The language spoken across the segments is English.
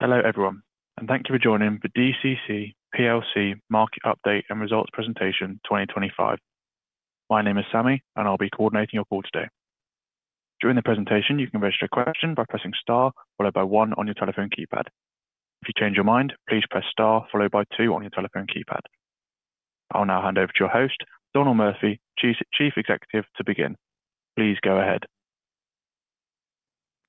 Hello everyone, and thank you for joining the DCC Market Update and Results Presentation 2025. My name is Sammy, and I'll be coordinating your call today. During the presentation, you can register a question by pressing star followed by one on your telephone keypad. If you change your mind, please press star followed by two on your telephone keypad. I'll now hand over to your host, Donal Murphy, Chief Executive, to begin. Please go ahead.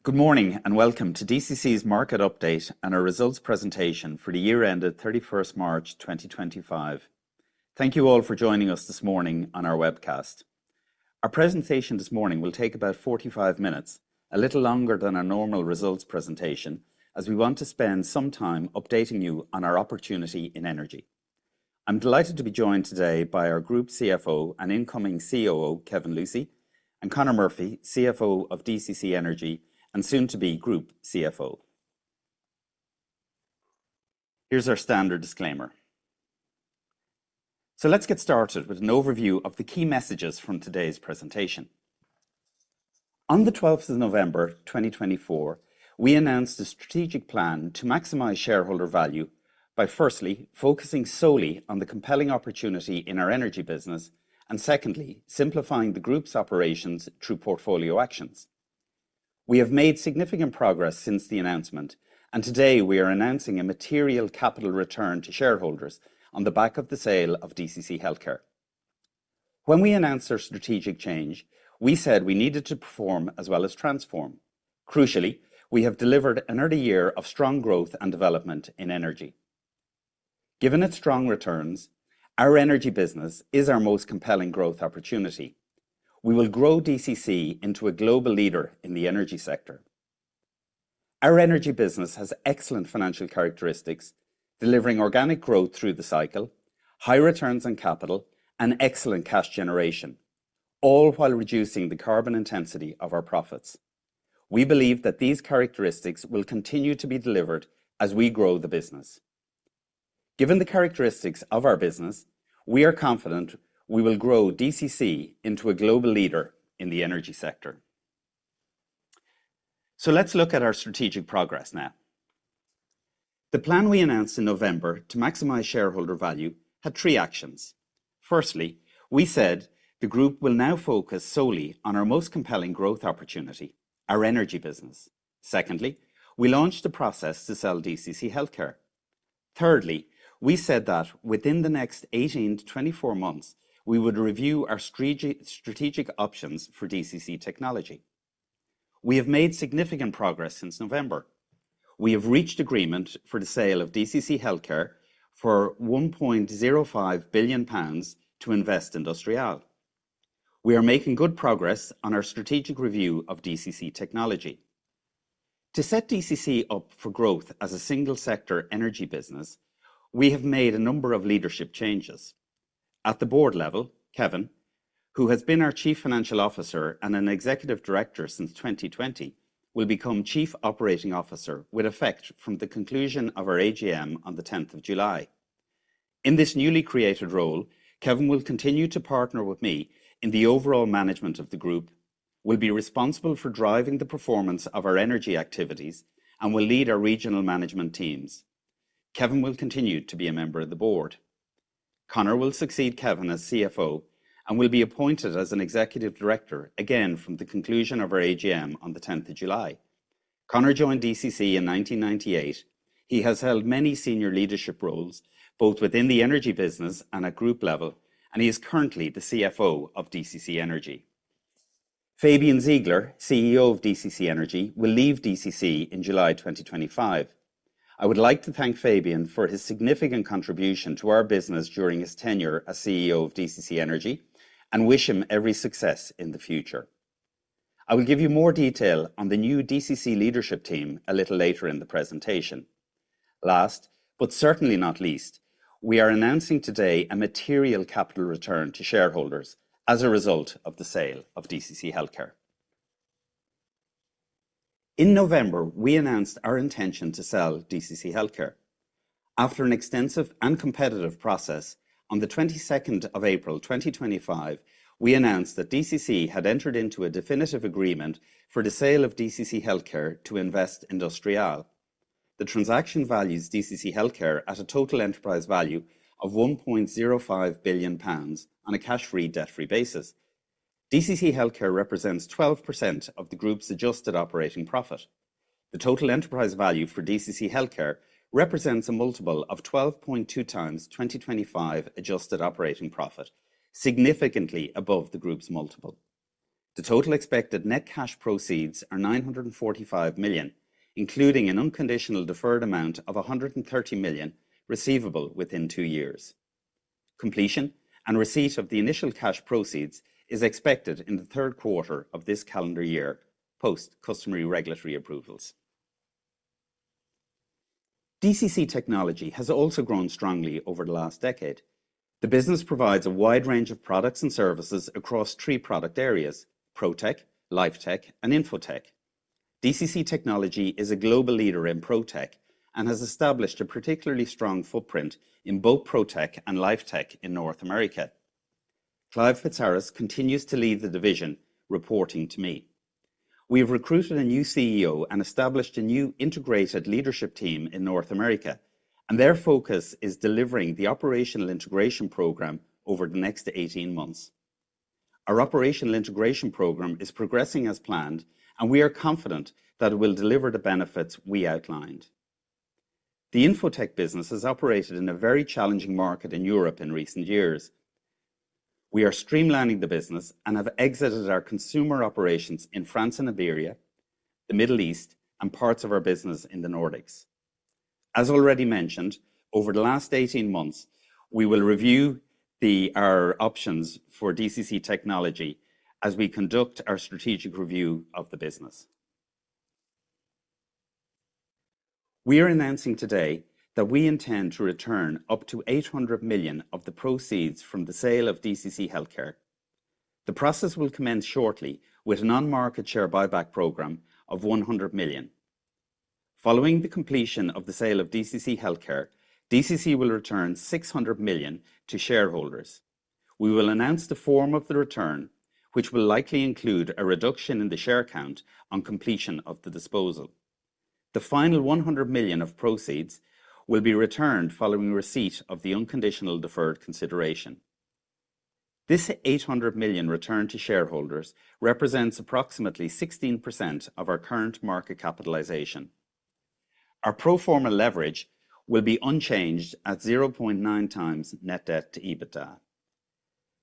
Good morning and welcome to DCC's Market Update and our Results Presentation for the year ended 31st March 2025. Thank you all for joining us this morning on our webcast. Our presentation this morning will take about 45 minutes, a little longer than our normal results presentation, as we want to spend some time updating you on our opportunity in energy. I'm delighted to be joined today by our Group CFO and incoming COO, Kevin Lucey, and Conor Murphy, CFO of DCC Energy and soon to be Group CFO. Here's our standard disclaimer. Let's get started with an overview of the key messages from today's presentation. On the 12th of November 2024, we announced a strategic plan to maximize shareholder value by firstly focusing solely on the compelling opportunity in our energy business and secondly simplifying the group's operations through portfolio actions. We have made significant progress since the announcement, and today we are announcing a material capital return to shareholders on the back of the sale of DCC Healthcare. When we announced our strategic change, we said we needed to perform as well as transform. Crucially, we have delivered an early year of strong growth and development in energy. Given its strong returns, our energy business is our most compelling growth opportunity. We will grow DCC into a global leader in the energy sector. Our energy business has excellent financial characteristics, delivering organic growth through the cycle, high returns on capital, and excellent cash generation, all while reducing the carbon intensity of our profits. We believe that these characteristics will continue to be delivered as we grow the business. Given the characteristics of our business, we are confident we will grow DCC into a global leader in the energy sector. Let's look at our strategic progress now. The plan we announced in November to maximize shareholder value had three actions. Firstly, we said the group will now focus solely on our most compelling growth opportunity, our energy business. Secondly, we launched the process to sell DCC Healthcare. Thirdly, we said that within the next 18 to 24 months, we would review our strategic options for DCC Technology. We have made significant progress since November. We have reached agreement for the sale of DCC Healthcare for 1.05 billion pounds to Investindustrial. We are making good progress on our strategic review of DCC Technology. To set DCC up for growth as a single-sector energy business, we have made a number of leadership changes. At the board level, Kevin, who has been our Chief Financial Officer and an Executive Director since 2020, will become Chief Operating Officer with effect from the conclusion of our AGM on the 10th of July. In this newly created role, Kevin will continue to partner with me in the overall management of the group, will be responsible for driving the performance of our energy activities, and will lead our regional management teams. Kevin will continue to be a member of the board. Conor will succeed Kevin as CFO and will be appointed as an Executive Director again from the conclusion of our AGM on the 10th of July. Conor joined DCC in 1998. He has held many senior leadership roles both within the energy business and at group level, and he is currently the CFO of DCC Energy. Fabian Ziegler, CEO of DCC Energy, will leave DCC in July 2025. I would like to thank Fabian for his significant contribution to our business during his tenure as CEO of DCC Energy and wish him every success in the future. I will give you more detail on the new DCC leadership team a little later in the presentation. Last, but certainly not least, we are announcing today a material capital return to shareholders as a result of the sale of DCC Healthcare. In November, we announced our intention to sell DCC Healthcare. After an extensive and competitive process, on the 22nd of April 2025, we announced that DCC had entered into a definitive agreement for the sale of DCC Healthcare to Investindustrial. The transaction values DCC Healthcare at a total enterprise value of 1.05 billion pounds on a cash-free debt-free basis. DCC Healthcare represents 12% of the group's adjusted operating profit. The total enterprise value for DCC Healthcare represents a multiple of 12.2x 2025 adjusted operating profit, significantly above the group's multiple. The total expected net cash proceeds are 945 million, including an unconditional deferred amount of 130 million receivable within two years. Completion and receipt of the initial cash proceeds is expected in the third quarter of this calendar year post-customary regulatory approvals. DCC Technology has also grown strongly over the last decade. The business provides a wide range of products and services across three product areas: Pro Tech, Live Tech, and Info Tech. DCC Technology is a global leader in Pro Tech and has established a particularly strong footprint in both Pro Tech and Live Tech in North America. Clive Fitzarris continues to lead the division, reporting to me. We have recruited a new CEO and established a new integrated leadership team in North America, and their focus is delivering the operational integration program over the next 18 months. Our operational integration program is progressing as planned, and we are confident that it will deliver the benefits we outlined. The Info Tech business has operated in a very challenging market in Europe in recent years. We are streamlining the business and have exited our consumer operations in France and Iberia, the Middle East, and parts of our business in the Nordics. As already mentioned, over the last 18 months, we will review our options for DCC Technology as we conduct our strategic review of the business. We are announcing today that we intend to return up to 800 million of the proceeds from the sale of DCC Healthcare. The process will commence shortly with an on-market share buyback program of 100 million. Following the completion of the sale of DCC Healthcare, DCC will return 600 million to shareholders. We will announce the form of the return, which will likely include a reduction in the share count on completion of the disposal. The final 100 million of proceeds will be returned following receipt of the unconditional deferred consideration. This 800 million return to shareholders represents approximately 16% of our current market capitalization. Our pro forma leverage will be unchanged at 0.9x net debt to EBITDA.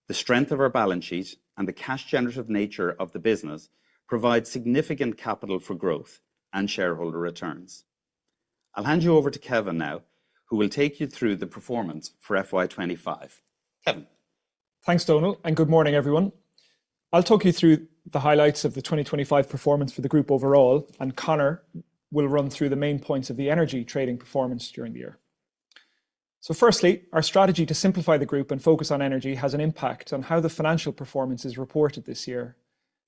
The strength of our balance sheet and the cash-generative nature of the business provide significant capital for growth and shareholder returns. I'll hand you over to Kevin now, who will take you through the performance for FY 2025. Kevin. Thanks, Donal, and good morning, everyone. I'll talk you through the highlights of the 2025 performance for the group overall, and Conor will run through the main points of the energy trading performance during the year. Firstly, our strategy to simplify the group and focus on energy has an impact on how the financial performance is reported this year.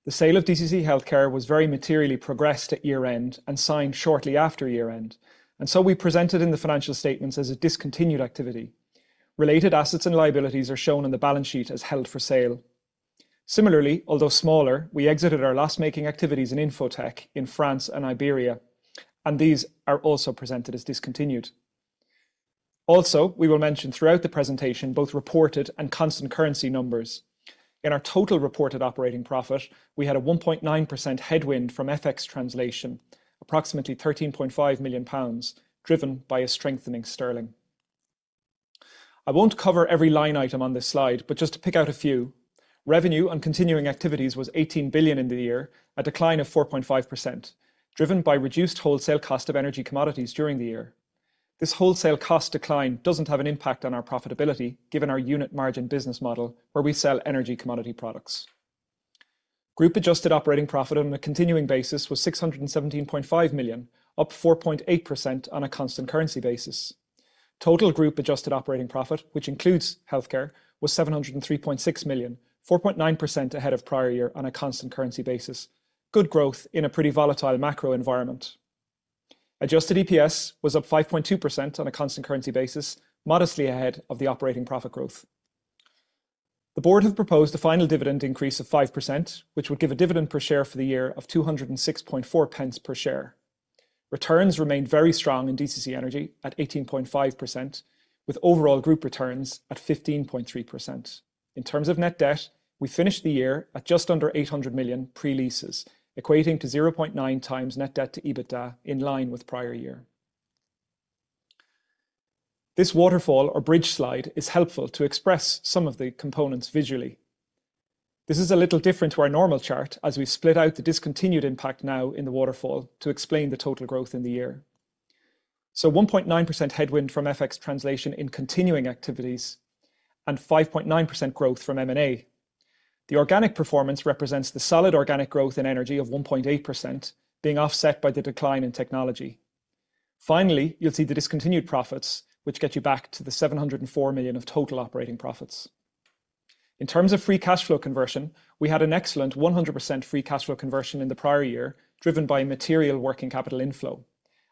The sale of DCC Healthcare was very materially progressed at year-end and signed shortly after year-end, and so we presented in the financial statements as a discontinued activity. Related assets and liabilities are shown on the balance sheet as held for sale. Similarly, although smaller, we exited our last-making activities in Info Tech in France and Iberia, and these are also presented as discontinued. Also, we will mention throughout the presentation both reported and constant currency numbers. In our total reported operating profit, we had a 1.9% headwind from FX translation, approximately 13.5 million pounds, driven by a strengthening sterling. I won't cover every line item on this slide, but just to pick out a few, revenue on continuing activities was 18 billion in the year, a decline of 4.5%, driven by reduced wholesale cost of energy commodities during the year. This wholesale cost decline doesn't have an impact on our profitability, given our unit margin business model where we sell energy commodity products. Group adjusted operating profit on a continuing basis was 617.5 million, up 4.8% on a constant currency basis. Total group adjusted operating profit, which includes healthcare, was 703.6 million, 4.9% ahead of prior year on a constant currency basis. Good growth in a pretty volatile macro environment. Adjusted EPS was up 5.2% on a constant currency basis, modestly ahead of the operating profit growth. The board has proposed a final dividend increase of 5%, which would give a dividend per share for the year of 206.4 per share. Returns remained very strong in DCC Energy at 18.5%, with overall group returns at 15.3%. In terms of net debt, we finished the year at just under 800 million pre-leases, equating to 0.9x net debt to EBITDA in line with prior year. This waterfall or bridge slide is helpful to express some of the components visually. This is a little different to our normal chart as we split out the discontinued impact now in the waterfall to explain the total growth in the year. 1.9% headwind from FX translation in continuing activities and 5.9% growth from M&A. The organic performance represents the solid organic growth in energy of 1.8%, being offset by the decline in technology. Finally, you'll see the discontinued profits, which get you back to the 704 million of total operating profits. In terms of free cash flow conversion, we had an excellent 100% free cash flow conversion in the prior year, driven by material working capital inflow.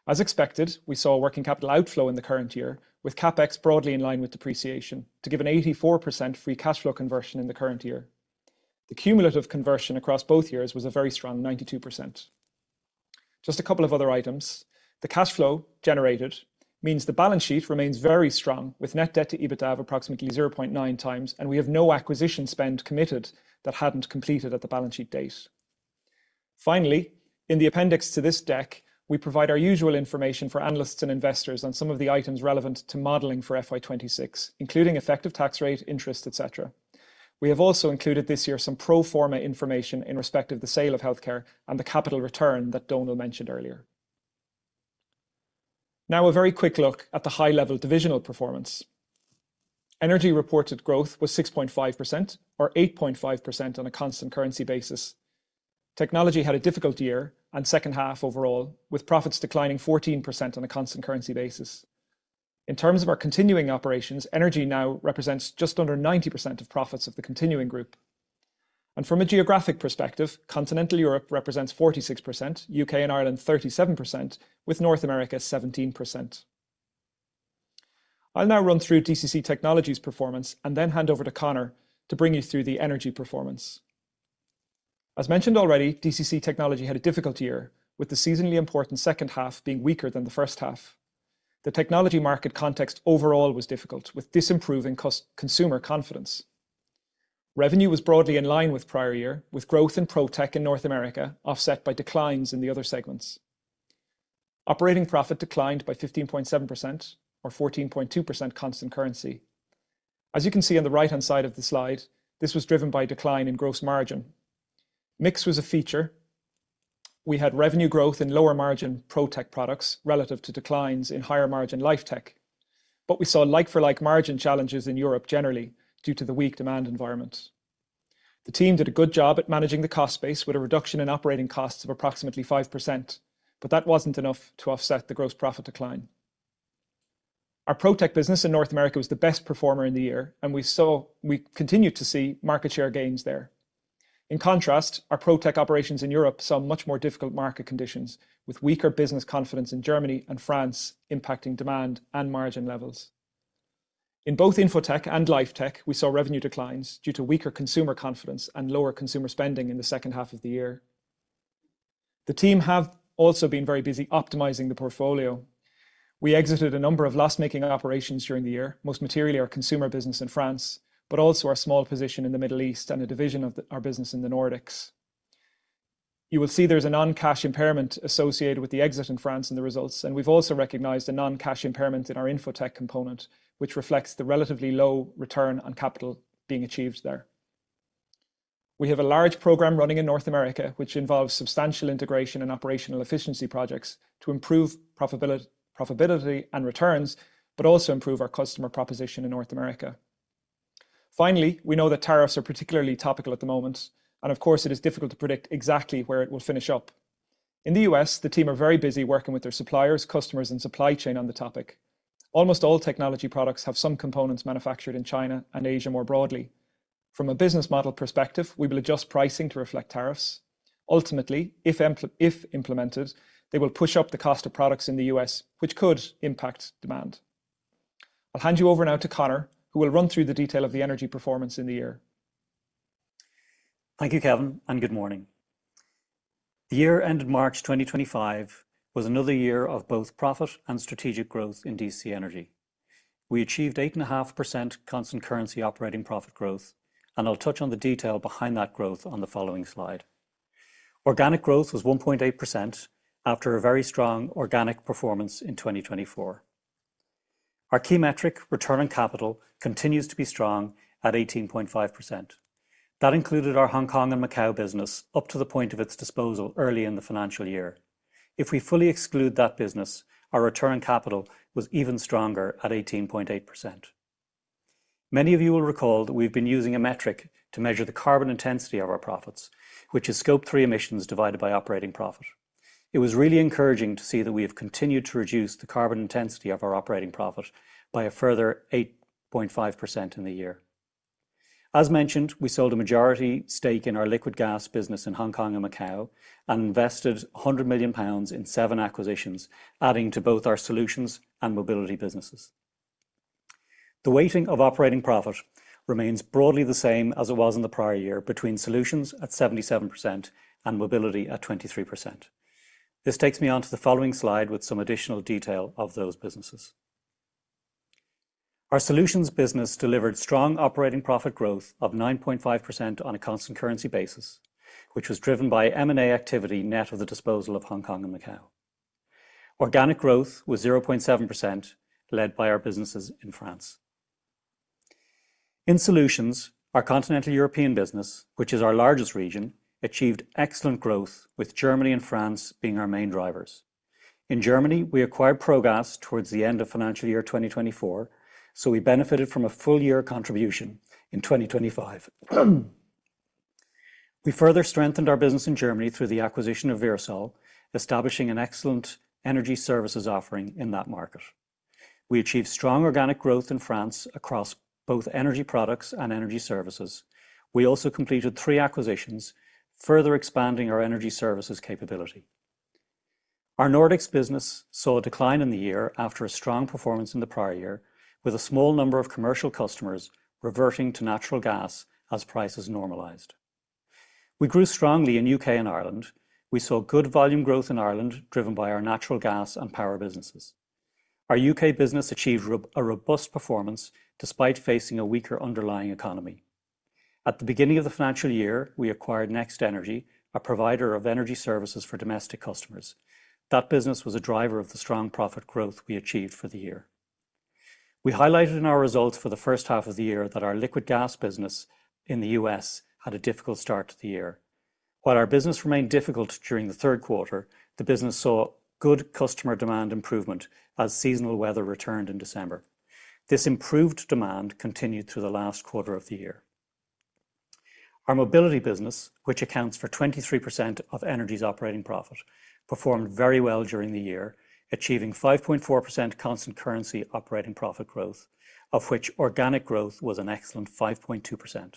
As expected, we saw working capital outflow in the current year, with CapEx broadly in line with depreciation to give an 84% free cash flow conversion in the current year. The cumulative conversion across both years was a very strong 92%. Just a couple of other items. The cash flow generated means the balance sheet remains very strong with net debt to EBITDA of approximately 0.9x, and we have no acquisition spend committed that had not completed at the balance sheet date. Finally, in the appendix to this deck, we provide our usual information for analysts and investors on some of the items relevant to modeling for FY 2026, including effective tax rate, interest, etc. We have also included this year some pro forma information in respect of the sale of healthcare and the capital return that Donal mentioned earlier. Now, a very quick look at the high-level divisional performance. Energy reported growth was 6.5% or 8.5% on a constant currency basis. Technology had a difficult year and second half overall, with profits declining 14% on a constant currency basis. In terms of our continuing operations, energy now represents just under 90% of profits of the continuing group. From a geographic perspective, continental Europe represents 46%, U.K. and Ireland 37%, with North America 17%. I'll now run through DCC Technology's performance and then hand over to Conor to bring you through the energy performance. As mentioned already, DCC Technology had a difficult year, with the seasonally important second half being weaker than the first half. The technology market context overall was difficult, with disimproving consumer confidence. Revenue was broadly in line with prior year, with growth in Pro Tech in North America offset by declines in the other segments. Operating profit declined by 15.7% or 14.2% constant currency. As you can see on the right-hand side of the slide, this was driven by a decline in gross margin. Mix was a feature. We had revenue growth in lower margin Pro Tech products relative to declines in higher margin Live Tech, but we saw like-for-like margin challenges in Europe generally due to the weak demand environment. The team did a good job at managing the cost base with a reduction in operating costs of approximately 5%, but that was not enough to offset the gross profit decline. Our Pro Tech business in North America was the best performer in the year, and we continued to see market share gains there. In contrast, our Pro Tech operations in Europe saw much more difficult market conditions, with weaker business confidence in Germany and France impacting demand and margin levels. In both Info Tech and Live Tech, we saw revenue declines due to weaker consumer confidence and lower consumer spending in the second half of the year. The team have also been very busy optimizing the portfolio. We exited a number of loss-making operations during the year, most materially our consumer business in France, but also our small position in the Middle East and a division of our business in the Nordics. You will see there's a non-cash impairment associated with the exit in France and the results, and we've also recognized a non-cash impairment in our Info Tech component, which reflects the relatively low return on capital being achieved there. We have a large program running in North America, which involves substantial integration and operational efficiency projects to improve profitability and returns, but also improve our customer proposition in North America. Finally, we know that tariffs are particularly topical at the moment, and of course, it is difficult to predict exactly where it will finish up. In the U.S., the team are very busy working with their suppliers, customers, and supply chain on the topic. Almost all technology products have some components manufactured in China and Asia more broadly. From a business model perspective, we will adjust pricing to reflect tariffs. Ultimately, if implemented, they will push up the cost of products in the U.S., which could impact demand. I'll hand you over now to Conor, who will run through the detail of the energy performance in the year. Thank you, Kevin, and good morning. The year ended March 2025 was another year of both profit and strategic growth in DCC Energy. We achieved 8.5% constant currency operating profit growth, and I'll touch on the detail behind that growth on the following slide. Organic growth was 1.8% after a very strong organic performance in 2024. Our key metric, return on capital, continues to be strong at 18.5%. That included our Hong Kong and Macau business up to the point of its disposal early in the financial year. If we fully exclude that business, our return on capital was even stronger at 18.8%. Many of you will recall that we've been using a metric to measure the carbon intensity of our profits, which is scope three emissions divided by operating profit. It was really encouraging to see that we have continued to reduce the carbon intensity of our operating profit by a further 8.5% in the year. As mentioned, we sold a majority stake in our liquid gas business in Hong Kong and Macau and invested 100 million pounds in seven acquisitions, adding to both our solutions and mobility businesses. The weighting of operating profit remains broadly the same as it was in the prior year between solutions at 77% and mobility at 23%. This takes me on to the following slide with some additional detail of those businesses. Our solutions business delivered strong operating profit growth of 9.5% on a constant currency basis, which was driven by M&A activity net of the disposal of Hong Kong and Macau. Organic growth was 0.7%, led by our businesses in France. In solutions, our continental European business, which is our largest region, achieved excellent growth with Germany and France being our main drivers. In Germany, we acquired Progas towards the end of financial year 2024, so we benefited from a full year contribution in 2025. We further strengthened our business in Germany through the acquisition of Wirsol, establishing an excellent Energy Services offering in that market. We achieved strong organic growth in France across both Energy Products and Energy Services. We also completed three acquisitions, further expanding our energy services capability. Our Nordics business saw a decline in the year after a strong performance in the prior year, with a small number of commercial customers reverting to natural gas as prices normalized. We grew strongly in U.K. and Ireland. We saw good volume growth in Ireland, driven by our natural gas and power businesses. Our U.K. business achieved a robust performance despite facing a weaker underlying economy. At the beginning of the financial year, we acquired Next Energy, a provider of energy services for domestic customers. That business was a driver of the strong profit growth we achieved for the year. We highlighted in our results for the first half of the year that our liquid gas business in the U.S. had a difficult start to the year. While our business remained difficult during the third quarter, the business saw good customer demand improvement as seasonal weather returned in December. This improved demand continued through the last quarter of the year. Our mobility business, which accounts for 23% of energy's operating profit, performed very well during the year, achieving 5.4% constant currency operating profit growth, of which organic growth was an excellent 5.2%.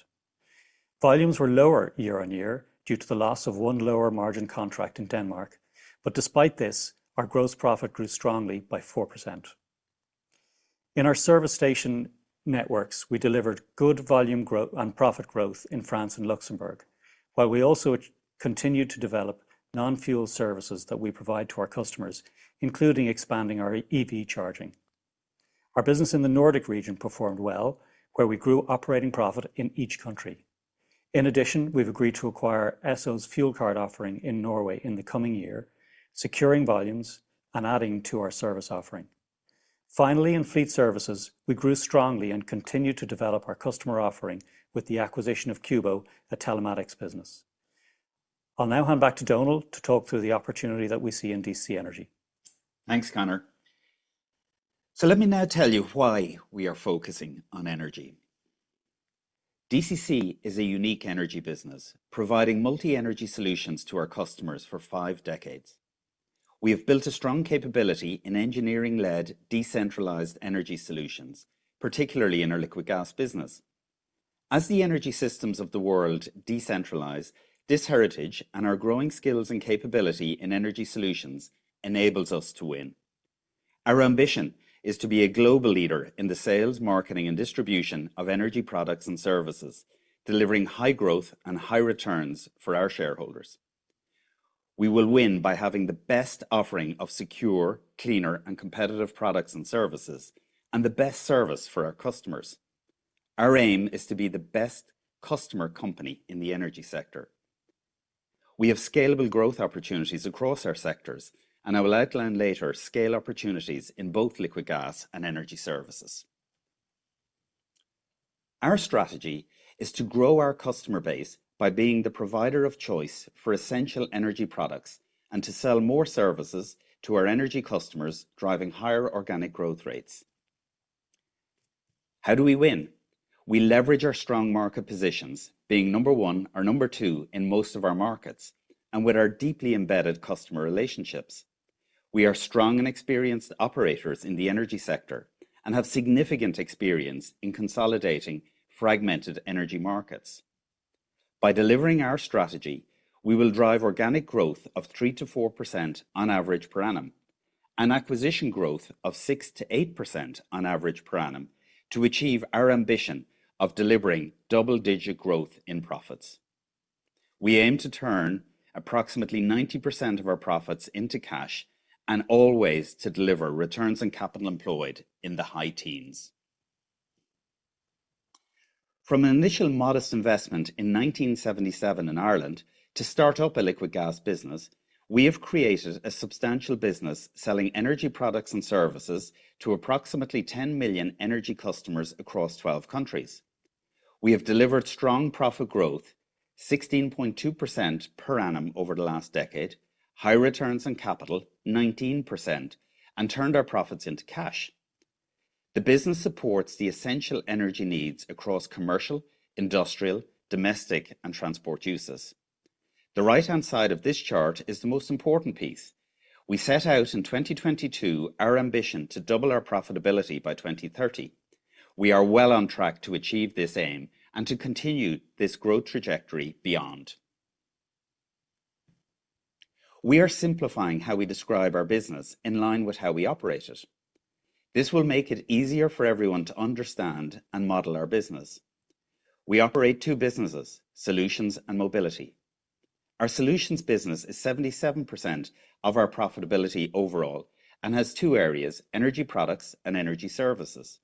Volumes were lower year-on-year due to the loss of one lower margin contract in Denmark, but despite this, our gross profit grew strongly by 4%. In our service station networks, we delivered good volume growth and profit growth in France and Luxembourg, while we also continued to develop non-fuel services that we provide to our customers, including expanding our EV charging. Our business in the Nordic region performed well, where we grew operating profit in each country. In addition, we've agreed to acquire Esso's fuel card offering in Norway in the coming year, securing volumes and adding to our service offering. Finally, in fleet services, we grew strongly and continue to develop our customer offering with the acquisition of Cubo, a telematics business. I'll now hand back to Donal to talk through the opportunity that we see in DCC Energy. Thanks, Conor. Let me now tell you why we are focusing on energy. DCC is a unique energy business, providing multi-energy solutions to our customers for five decades. We have built a strong capability in engineering-led decentralized energy solutions, particularly in our liquid gas business. As the energy systems of the world decentralize, this heritage and our growing skills and capability in energy solutions enables us to win. Our ambition is to be a global leader in the sales, marketing, and distribution of Energy Products and services, delivering high growth and high returns for our shareholders. We will win by having the best offering of secure, cleaner, and competitive products and services, and the best service for our customers. Our aim is to be the best customer company in the energy sector. We have scalable growth opportunities across our sectors, and I will outline later scale opportunities in both liquid gas and energy services. Our strategy is to grow our customer base by being the provider of choice for essential Energy Products and to sell more services to our energy customers, driving higher organic growth rates. How do we win? We leverage our strong market positions, being number one or number two in most of our markets, and with our deeply embedded customer relationships. We are strong and experienced operators in the energy sector and have significant experience in consolidating fragmented energy markets. By delivering our strategy, we will drive organic growth of 3%-4% on average per annum and acquisition growth of 6%-8% on average per annum to achieve our ambition of delivering double-digit growth in profits. We aim to turn approximately 90% of our profits into cash and always to deliver returns on capital employed in the high teens. From an initial modest investment in 1977 in Ireland to start up a liquid gas business, we have created a substantial business selling Energy Products and services to approximately 10 million energy customers across 12 countries. We have delivered strong profit growth, 16.2% per annum over the last decade, high returns on capital, 19%, and turned our profits into cash. The business supports the essential energy needs across commercial, industrial, domestic, and transport uses. The right-hand side of this chart is the most important piece. We set out in 2022 our ambition to double our profitability by 2030. We are well on track to achieve this aim and to continue this growth trajectory beyond. We are simplifying how we describe our business in line with how we operate it. This will make it easier for everyone to understand and model our business. We operate two businesses, Solutions and Mobility. Our Solutions business is 77% of our profitability overall and has two areas, Energy Products and Energy Services.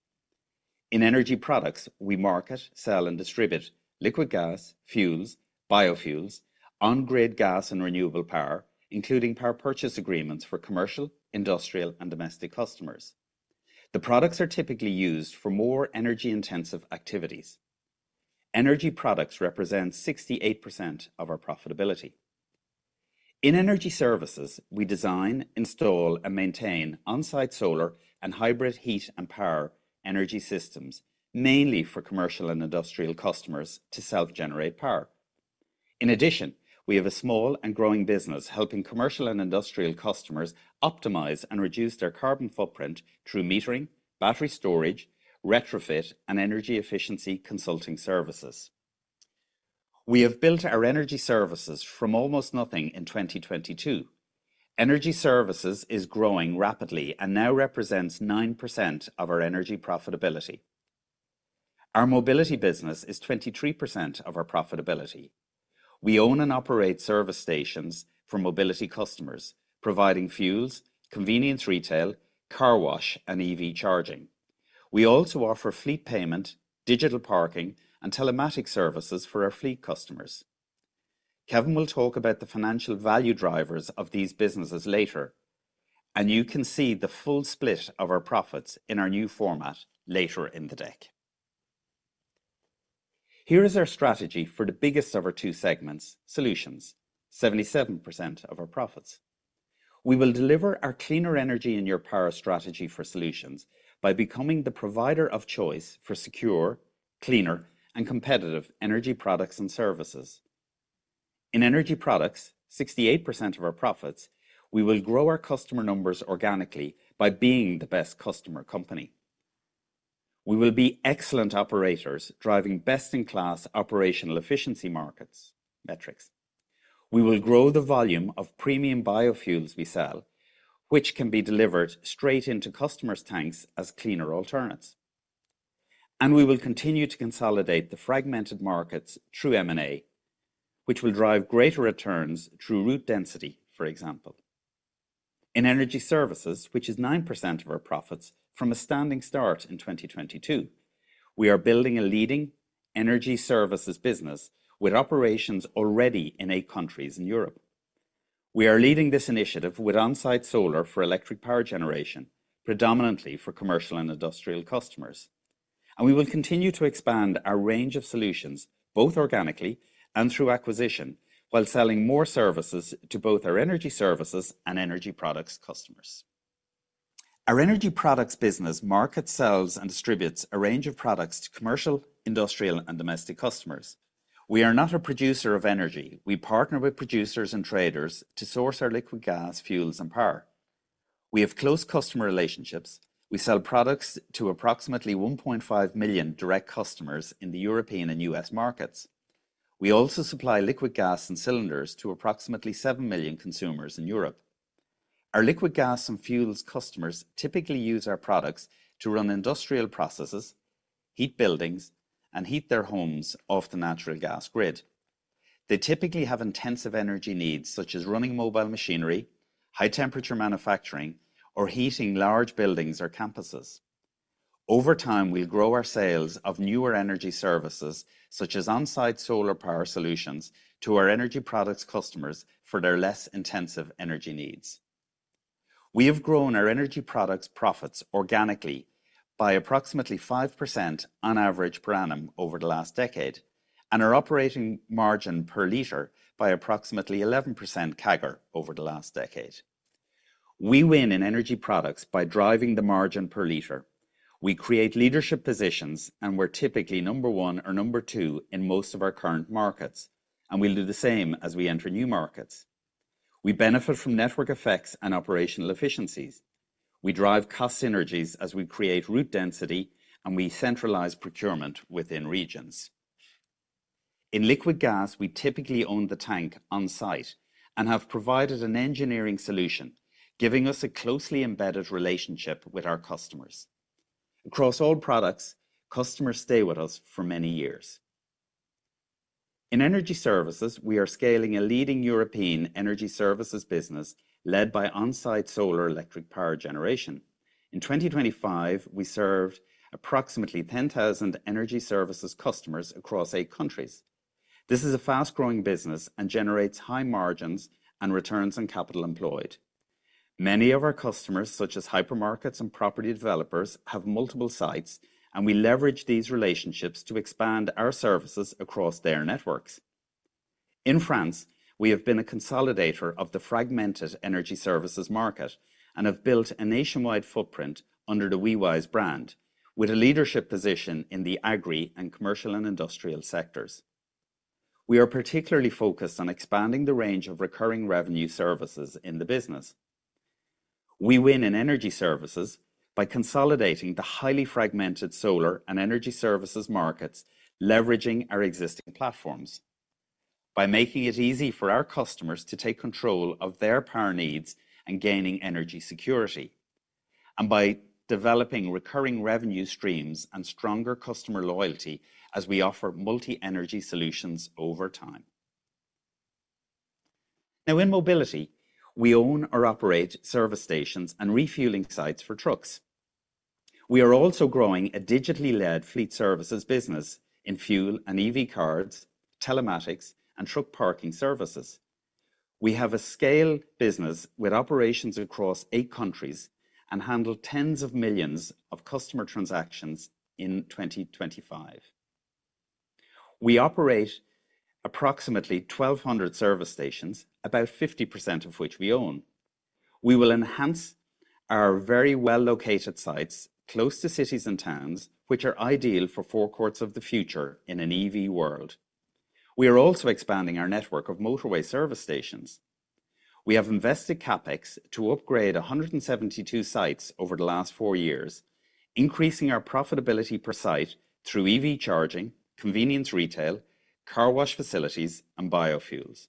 In Energy Products, we market, sell, and distribute liquid gas, fuels, biofuels, on-grid gas, and renewable power, including power purchase agreements for commercial, industrial, and domestic customers. The products are typically used for more energy-intensive activities. Energy Products represent 68% of our profitability. In Energy Services, we design, install, and maintain on-site solar and hybrid heat and power energy systems mainly for commercial and industrial customers to self-generate power. In addition, we have a small and growing business helping commercial and industrial customers optimize and reduce their carbon footprint through metering, battery storage, retrofit, and energy efficiency consulting services. We have built our energy services from almost nothing in 2022. Energy Services is growing rapidly and now represents 9% of our energy profitability. Our Mobility business is 23% of our profitability. We own and operate service stations for mobility customers, providing fuels, convenience retail, car wash, and EV charging. We also offer fleet payment, digital parking, and telematics services for our fleet customers. Kevin will talk about the financial value drivers of these businesses later, and you can see the full split of our profits in our new format later in the deck. Here is our strategy for the biggest of our two segments, solutions, 77% of our profits. We will deliver our cleaner energy in your power strategy for solutions by becoming the provider of choice for secure, cleaner, and competitive energy products and services. In Energy Products, 68% of our profits, we will grow our customer numbers organically by being the best customer company. We will be excellent operators driving best-in-class operational efficiency markets metrics. We will grow the volume of premium biofuels we sell, which can be delivered straight into customers' tanks as cleaner alternates. We will continue to consolidate the fragmented markets through M&A, which will drive greater returns through root density, for example. In energy services, which is 9% of our profits from a standing start in 2022, we are building a leading energy services business with operations already in eight countries in Europe. We are leading this initiative with on-site solar for electric power generation, predominantly for commercial and industrial customers. We will continue to expand our range of solutions, both organically and through acquisition, while selling more services to both our Energy Services and Energy Products customers. Our Energy Products business markets, sells, and distributes a range of products to commercial, industrial, and domestic customers. We are not a producer of energy. We partner with producers and traders to source our liquid gas, fuels, and power. We have close customer relationships. We sell products to approximately 1.5 million direct customers in the European and U.S. markets. We also supply liquid gas and cylinders to approximately 7 million consumers in Europe. Our liquid gas and fuels customers typically use our products to run industrial processes, heat buildings, and heat their homes off the natural gas grid. They typically have intensive energy needs, such as running mobile machinery, high-temperature manufacturing, or heating large buildings or campuses. Over time, we'll grow our sales of newer energy services, such as on-site solar power solutions, to our energy products customers for their less intensive energy needs. We have grown our Energy Products profits organically by approximately 5% on average per annum over the last decade and our operating margin per liter by approximately 11% CAGR over the last decade. We win in Energy Products by driving the margin per liter. We create leadership positions, and we're typically number one or number two in most of our current markets, and we'll do the same as we enter new markets. We benefit from network effects and operational efficiencies. We drive cost synergies as we create route density, and we centralize procurement within regions. In liquid gas, we typically own the tank on-site and have provided an engineering solution, giving us a closely embedded relationship with our customers. Across all products, customers stay with us for many years. In energy services, we are scaling a leading European energy services business led by on-site solar electric power generation. In 2025, we served approximately 10,000 energy services customers across eight countries. This is a fast-growing business and generates high margins and returns on capital employed. Many of our customers, such as hypermarkets and property developers, have multiple sites, and we leverage these relationships to expand our services across their networks. In France, we have been a consolidator of the fragmented energy services market and have built a nationwide footprint under the Wewise brand, with a leadership position in the agri and commercial and industrial sectors. We are particularly focused on expanding the range of recurring revenue services in the business. We win in energy services by consolidating the highly fragmented solar and energy services markets, leveraging our existing platforms, by making it easy for our customers to take control of their power needs and gaining energy security, and by developing recurring revenue streams and stronger customer loyalty as we offer multi-energy solutions over time. Now, in mobility, we own or operate service stations and refueling sites for trucks. We are also growing a digitally-led fleet services business in fuel and EV cards, telematics, and truck parking services. We have a scale business with operations across eight countries and handle tens of millions of customer transactions in 2025. We operate approximately 1,200 service stations, about 50% of which we own. We will enhance our very well-located sites close to cities and towns, which are ideal for four quarters of the future in an EV world. We are also expanding our network of motorway service stations. We have invested CapEx to upgrade 172 sites over the last four years, increasing our profitability per site through EV charging, convenience retail, car wash facilities, and biofuels.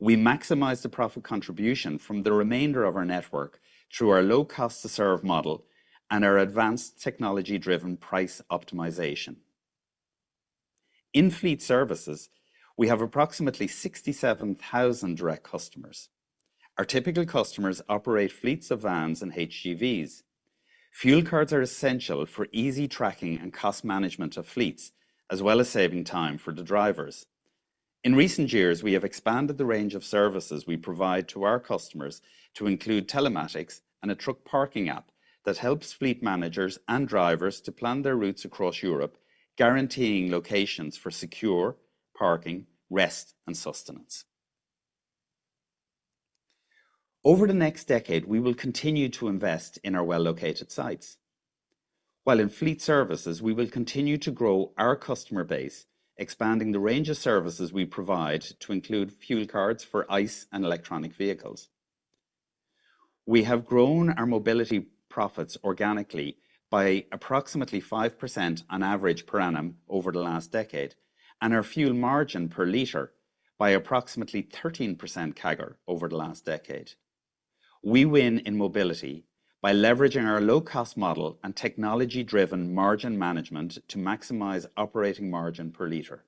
We maximize the profit contribution from the remainder of our network through our low-cost-to-serve model and our advanced technology-driven price optimization. In fleet services, we have approximately 67,000 direct customers. Our typical customers operate fleets of vans and HGVs. Fuel cards are essential for easy tracking and cost management of fleets, as well as saving time for the drivers. In recent years, we have expanded the range of services we provide to our customers to include telematics and a truck parking app that helps fleet managers and drivers to plan their routes across Europe, guaranteeing locations for secure parking, rest, and sustenance. Over the next decade, we will continue to invest in our well-located sites. While in fleet services, we will continue to grow our customer base, expanding the range of services we provide to include fuel cards for ICE and electronic vehicles. We have grown our mobility profits organically by approximately 5% on average per annum over the last decade and our fuel margin per liter by approximately 13% CAGR over the last decade. We win in mobility by leveraging our low-cost model and technology-driven margin management to maximize operating margin per liter.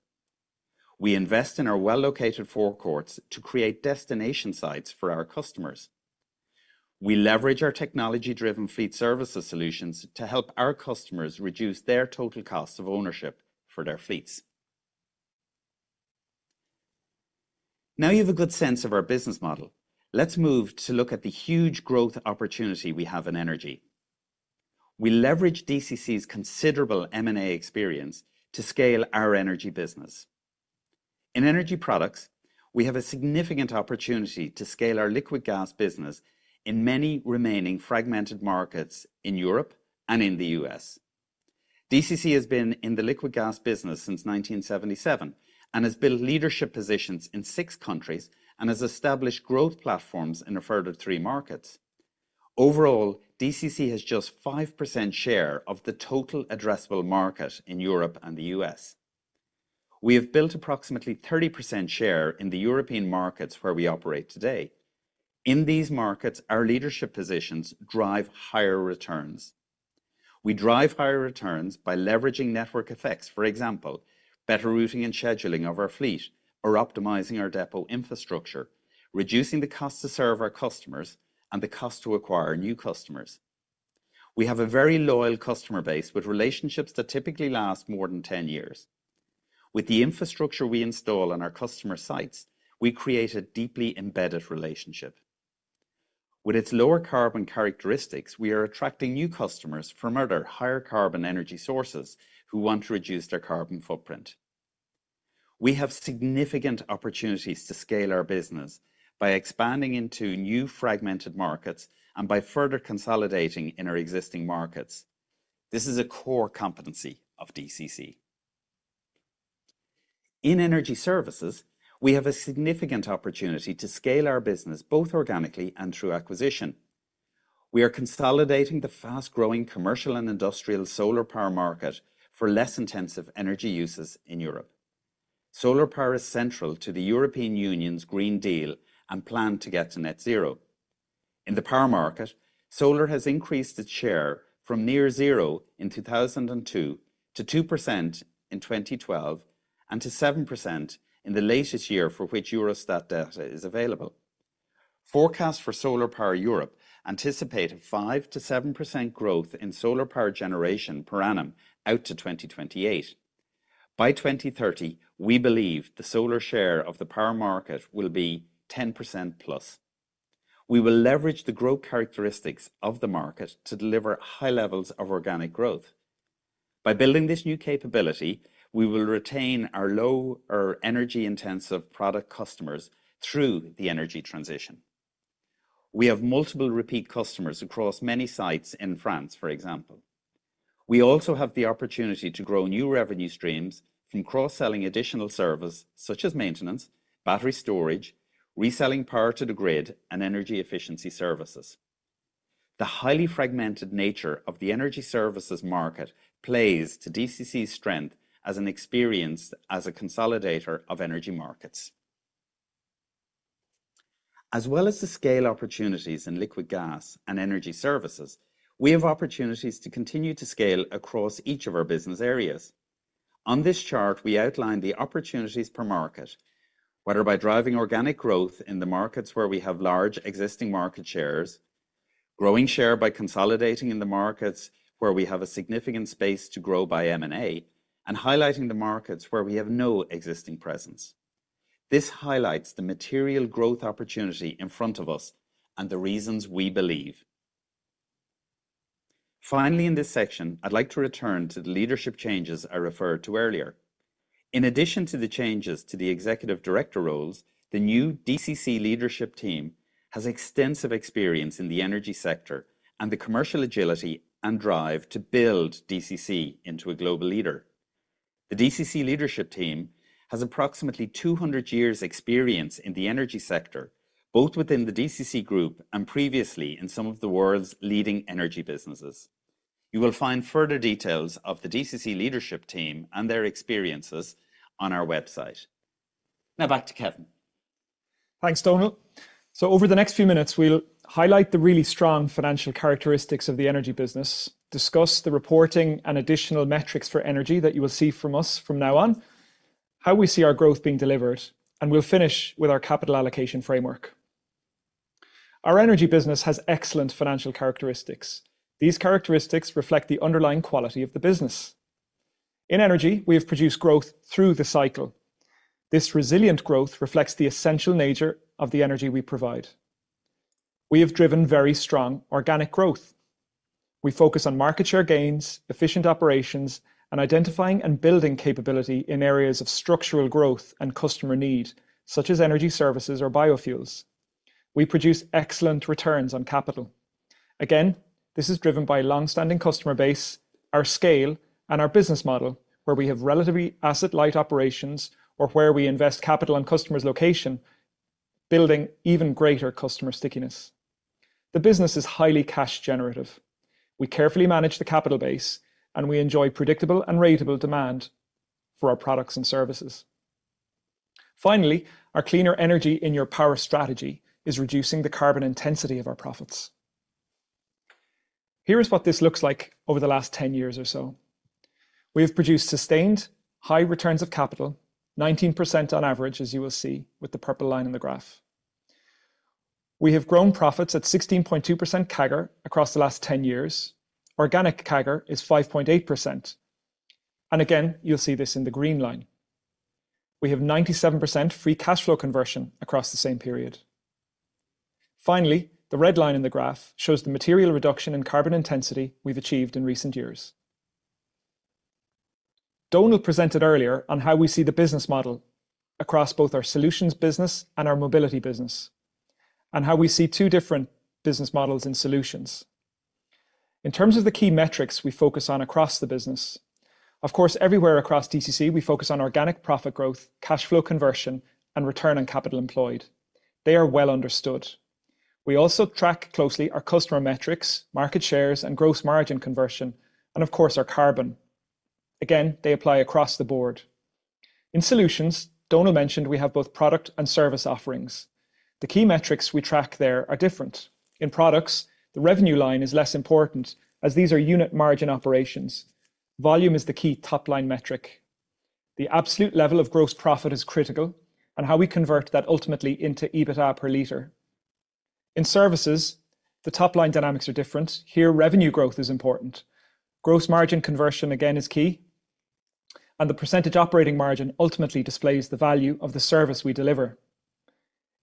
We invest in our well-located forecourts to create destination sites for our customers. We leverage our technology-driven fleet services solutions to help our customers reduce their total cost of ownership for their fleets. Now you have a good sense of our business model. Let's move to look at the huge growth opportunity we have in energy. We leverage DCC's considerable M&A experience to scale our energy business. In Energy Products, we have a significant opportunity to scale our liquid gas business in many remaining fragmented markets in Europe and in the U.S. DCC has been in the liquid gas business since 1977 and has built leadership positions in six countries and has established growth platforms in a further three markets. Overall, DCC has just 5% share of the total addressable market in Europe and the U.S. We have built approximately 30% share in the European markets where we operate today. In these markets, our leadership positions drive higher returns. We drive higher returns by leveraging network effects, for example, better routing and scheduling of our fleet, or optimizing our depot infrastructure, reducing the cost to serve our customers and the cost to acquire new customers. We have a very loyal customer base with relationships that typically last more than 10 years. With the infrastructure we install on our customer sites, we create a deeply embedded relationship. With its lower carbon characteristics, we are attracting new customers from other higher carbon energy sources who want to reduce their carbon footprint. We have significant opportunities to scale our business by expanding into new fragmented markets and by further consolidating in our existing markets. This is a core competency of DCC. In energy services, we have a significant opportunity to scale our business both organically and through acquisition. We are consolidating the fast-growing commercial and industrial solar power market for less intensive energy uses in Europe. Solar power is central to the European Union's Green Deal and plan to get to net zero. In the power market, solar has increased its share from near zero in 2002 to 2% in 2012 and to 7% in the latest year for which Eurostat data is available. Forecasts for SolarPower Europe anticipate a 5%-7% growth in solar power generation per annum out to 2028. By 2030, we believe the solar share of the power market will be 10% plus. We will leverage the growth characteristics of the market to deliver high levels of organic growth. By building this new capability, we will retain our low or energy-intensive product customers through the energy transition. We have multiple repeat customers across many sites in France, for example. We also have the opportunity to grow new revenue streams from cross-selling additional services such as maintenance, battery storage, reselling power to the grid, and energy efficiency services. The highly fragmented nature of the energy services market plays to DCC's strength as an experienced consolidator of energy markets. As well as the scale opportunities in liquid gas and energy services, we have opportunities to continue to scale across each of our business areas. On this chart, we outline the opportunities per market, whether by driving organic growth in the markets where we have large existing market shares, growing share by consolidating in the markets where we have a significant space to grow by M&A, and highlighting the markets where we have no existing presence. This highlights the material growth opportunity in front of us and the reasons we believe. Finally, in this section, I'd like to return to the leadership changes I referred to earlier. In addition to the changes to the executive director roles, the new DCC leadership team has extensive experience in the energy sector and the commercial agility and drive to build DCC into a global leader. The DCC leadership team has approximately 200 years' experience in the energy sector, both within the DCC Group and previously in some of the world's leading energy businesses. You will find further details of the DCC leadership team and their experiences on our website. Now, back to Kevin. Thanks, Donal. Over the next few minutes, we'll highlight the really strong financial characteristics of the energy business, discuss the reporting and additional metrics for energy that you will see from us from now on, how we see our growth being delivered, and we'll finish with our capital allocation framework. Our energy business has excellent financial characteristics. These characteristics reflect the underlying quality of the business. In energy, we have produced growth through the cycle. This resilient growth reflects the essential nature of the energy we provide. We have driven very strong organic growth. We focus on market share gains, efficient operations, and identifying and building capability in areas of structural growth and customer need, such as energy services or biofuels. We produce excellent returns on capital. Again, this is driven by a long-standing customer base, our scale, and our business model, where we have relatively asset-light operations or where we invest capital on customer's location, building even greater customer stickiness. The business is highly cash-generative. We carefully manage the capital base, and we enjoy predictable and ratable demand for our products and services. Finally, our cleaner energy in your power strategy is reducing the carbon intensity of our profits. Here is what this looks like over the last 10 years or so. We have produced sustained high returns of capital, 19% on average, as you will see with the purple line in the graph. We have grown profits at 16.2% CAGR across the last 10 years. Organic CAGR is 5.8%. Again, you'll see this in the green line. We have 97% free cash flow conversion across the same period. Finally, the red line in the graph shows the material reduction in carbon intensity we've achieved in recent years. Donal presented earlier on how we see the business model across both our solutions business and our mobility business, and how we see two different business models in solutions. In terms of the key metrics we focus on across the business, of course, everywhere across DCC, we focus on organic profit growth, cash flow conversion, and return on capital employed. They are well understood. We also track closely our customer metrics, market shares, and gross margin conversion, and of course, our carbon. Again, they apply across the board. In solutions, Donal mentioned we have both product and service offerings. The key metrics we track there are different. In products, the revenue line is less important as these are unit margin operations. Volume is the key top-line metric. The absolute level of gross profit is critical and how we convert that ultimately into EBITDA per liter. In services, the top-line dynamics are different. Here, revenue growth is important. Gross margin conversion, again, is key, and the percentage operating margin ultimately displays the value of the service we deliver.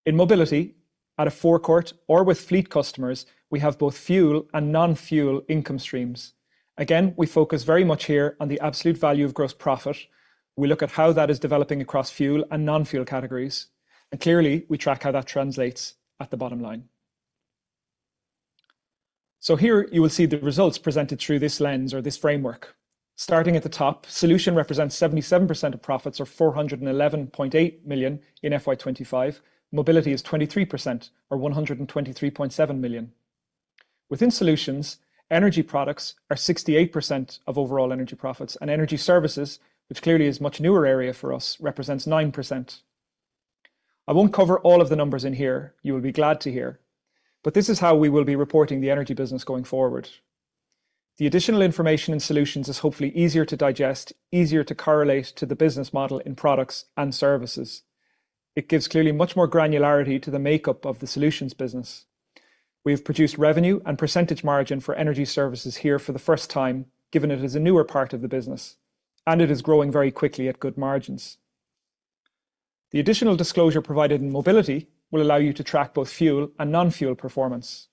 In mobility, at a forecourt or with fleet customers, we have both fuel and non-fuel income streams. Again, we focus very much here on the absolute value of gross profit. We look at how that is developing across fuel and non-fuel categories, and clearly, we track how that translates at the bottom line. Here, you will see the results presented through this lens or this framework. Starting at the top, solutions represent 77% of profits or 411.8 million in FY 2025. Mobility is 23% or 123.7 million. Within solutions, Energy Products are 68% of overall energy profits, and energy services, which clearly is a much newer area for us, represents 9%. I will not cover all of the numbers in here. You will be glad to hear. This is how we will be reporting the energy business going forward. The additional information in solutions is hopefully easier to digest, easier to correlate to the business model in products and services. It gives clearly much more granularity to the makeup of the solutions business. We have produced revenue and percentage margin for energy services here for the first time, given it is a newer part of the business, and it is growing very quickly at good margins. The additional disclosure provided in mobility will allow you to track both fuel and non-fuel performance.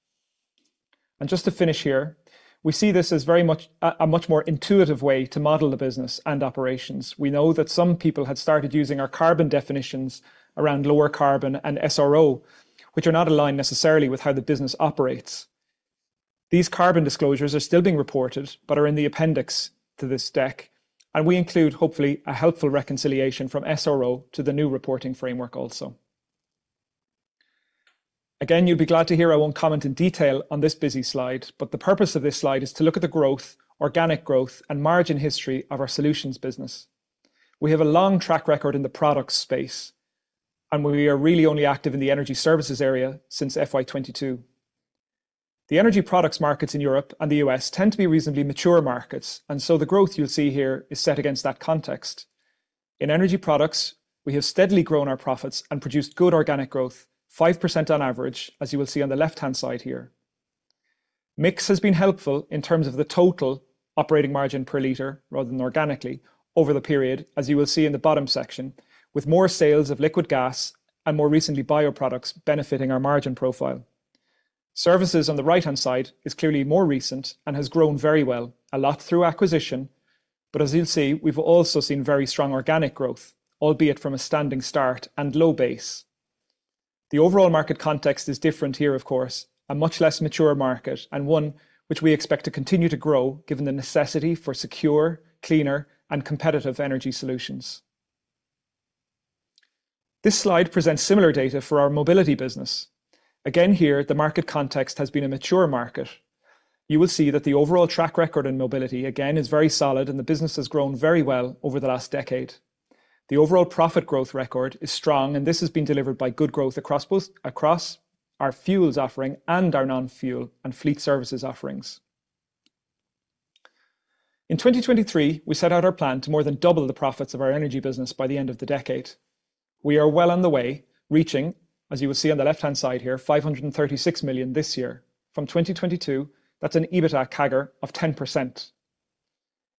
Just to finish here, we see this as very much a much more intuitive way to model the business and operations. We know that some people had started using our carbon definitions around lower carbon and SRO, which are not aligned necessarily with how the business operates. These carbon disclosures are still being reported but are in the appendix to this deck, and we include, hopefully, a helpful reconciliation from SRO to the new reporting framework also. Again, you'll be glad to hear I won't comment in detail on this busy slide, but the purpose of this slide is to look at the growth, organic growth, and margin history of our solutions business. We have a long track record in the products space, and we are really only active in the energy services area since FY 2022. The Energy Products markets in Europe and the U.S. tend to be reasonably mature markets, and so the growth you'll see here is set against that context. In Energy Products, we have steadily grown our profits and produced good organic growth, 5% on average, as you will see on the left-hand side here. Mix has been helpful in terms of the total operating margin per liter, rather than organically, over the period, as you will see in the bottom section, with more sales of liquid gas and more recently bioproducts benefiting our margin profile. Services on the right-hand side is clearly more recent and has grown very well, a lot through acquisition, but as you'll see, we've also seen very strong organic growth, albeit from a standing start and low base. The overall market context is different here, of course, a much less mature market and one which we expect to continue to grow given the necessity for secure, cleaner, and competitive energy solutions. This slide presents similar data for our mobility business. Again, here, the market context has been a mature market. You will see that the overall track record in mobility, again, is very solid, and the business has grown very well over the last decade. The overall profit growth record is strong, and this has been delivered by good growth across both our fuels offering and our non-fuel and fleet services offerings. In 2023, we set out our plan to more than double the profits of our energy business by the end of the decade. We are well on the way reaching, as you will see on the left-hand side here, 536 million this year. From 2022, that is an EBITDA CAGR of 10%.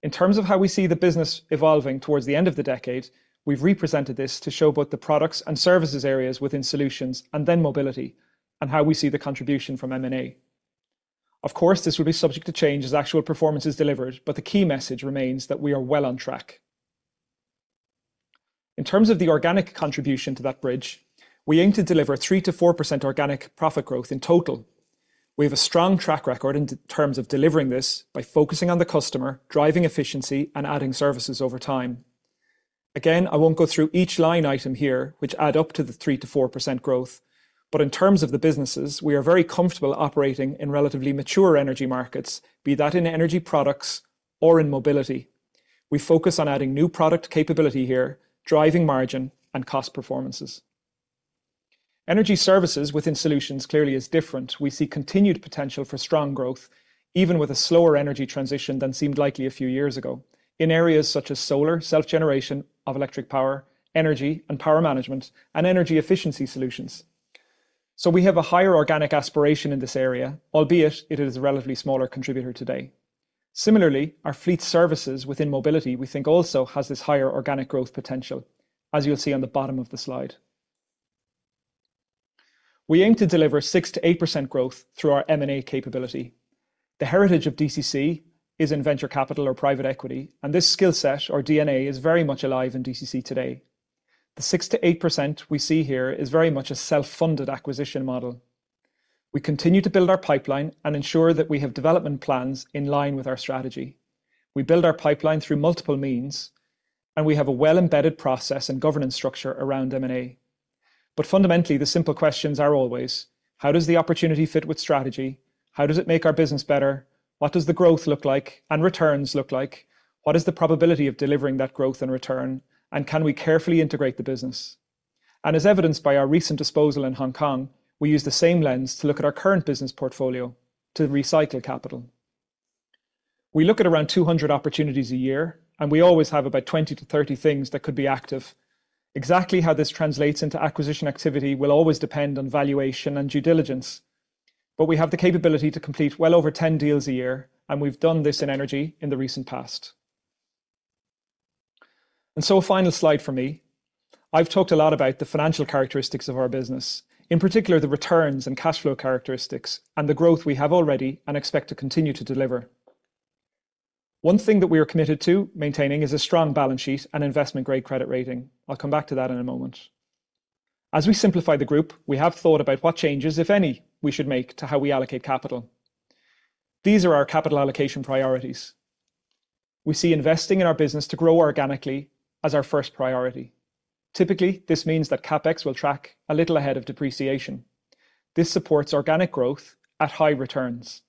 In terms of how we see the business evolving towards the end of the decade, we have represented this to show both the products and services areas within solutions and then mobility and how we see the contribution from M&A. Of course, this will be subject to change as actual performance is delivered, but the key message remains that we are well on track. In terms of the organic contribution to that bridge, we aim to deliver 3%-4% organic profit growth in total. We have a strong track record in terms of delivering this by focusing on the customer, driving efficiency, and adding services over time. Again, I will not go through each line item here, which add up to the 3%-4% growth, but in terms of the businesses, we are very comfortable operating in relatively mature energy markets, be that in Energy Products or in Mobility. We focus on adding new product capability here, driving margin, and cost performances. Energy Services within solutions clearly is different. We see continued potential for strong growth, even with a slower energy transition than seemed likely a few years ago in areas such as solar, self-generation of electric power, energy, and power management, and energy efficiency solutions. We have a higher organic aspiration in this area, albeit it is a relatively smaller contributor today. Similarly, our fleet services within mobility, we think, also has this higher organic growth potential, as you'll see on the bottom of the slide. We aim to deliver 6%-8% growth through our M&A capability. The heritage of DCC is in venture capital or private equity, and this skill set or D&A is very much alive in DCC today. The 6%-8% we see here is very much a self-funded acquisition model. We continue to build our pipeline and ensure that we have development plans in line with our strategy. We build our pipeline through multiple means, and we have a well-embedded process and governance structure around M&A. Fundamentally, the simple questions are always, how does the opportunity fit with strategy? How does it make our business better? What does the growth look like and returns look like? What is the probability of delivering that growth and return? Can we carefully integrate the business? As evidenced by our recent disposal in Hong Kong, we use the same lens to look at our current business portfolio to recycle capital. We look at around 200 opportunities a year, and we always have about 20-30 things that could be active. Exactly how this translates into acquisition activity will always depend on valuation and due diligence, but we have the capability to complete well over 10 deals a year, and we've done this in energy in the recent past. A final slide from me. I've talked a lot about the financial characteristics of our business, in particular the returns and cash flow characteristics and the growth we have already and expect to continue to deliver. One thing that we are committed to maintaining is a strong balance sheet and investment-grade credit rating. I will come back to that in a moment. As we simplify the group, we have thought about what changes, if any, we should make to how we allocate capital. These are our capital allocation priorities. We see investing in our business to grow organically as our first priority. Typically, this means that CapEx will track a little ahead of depreciation. This supports organic growth at high returns.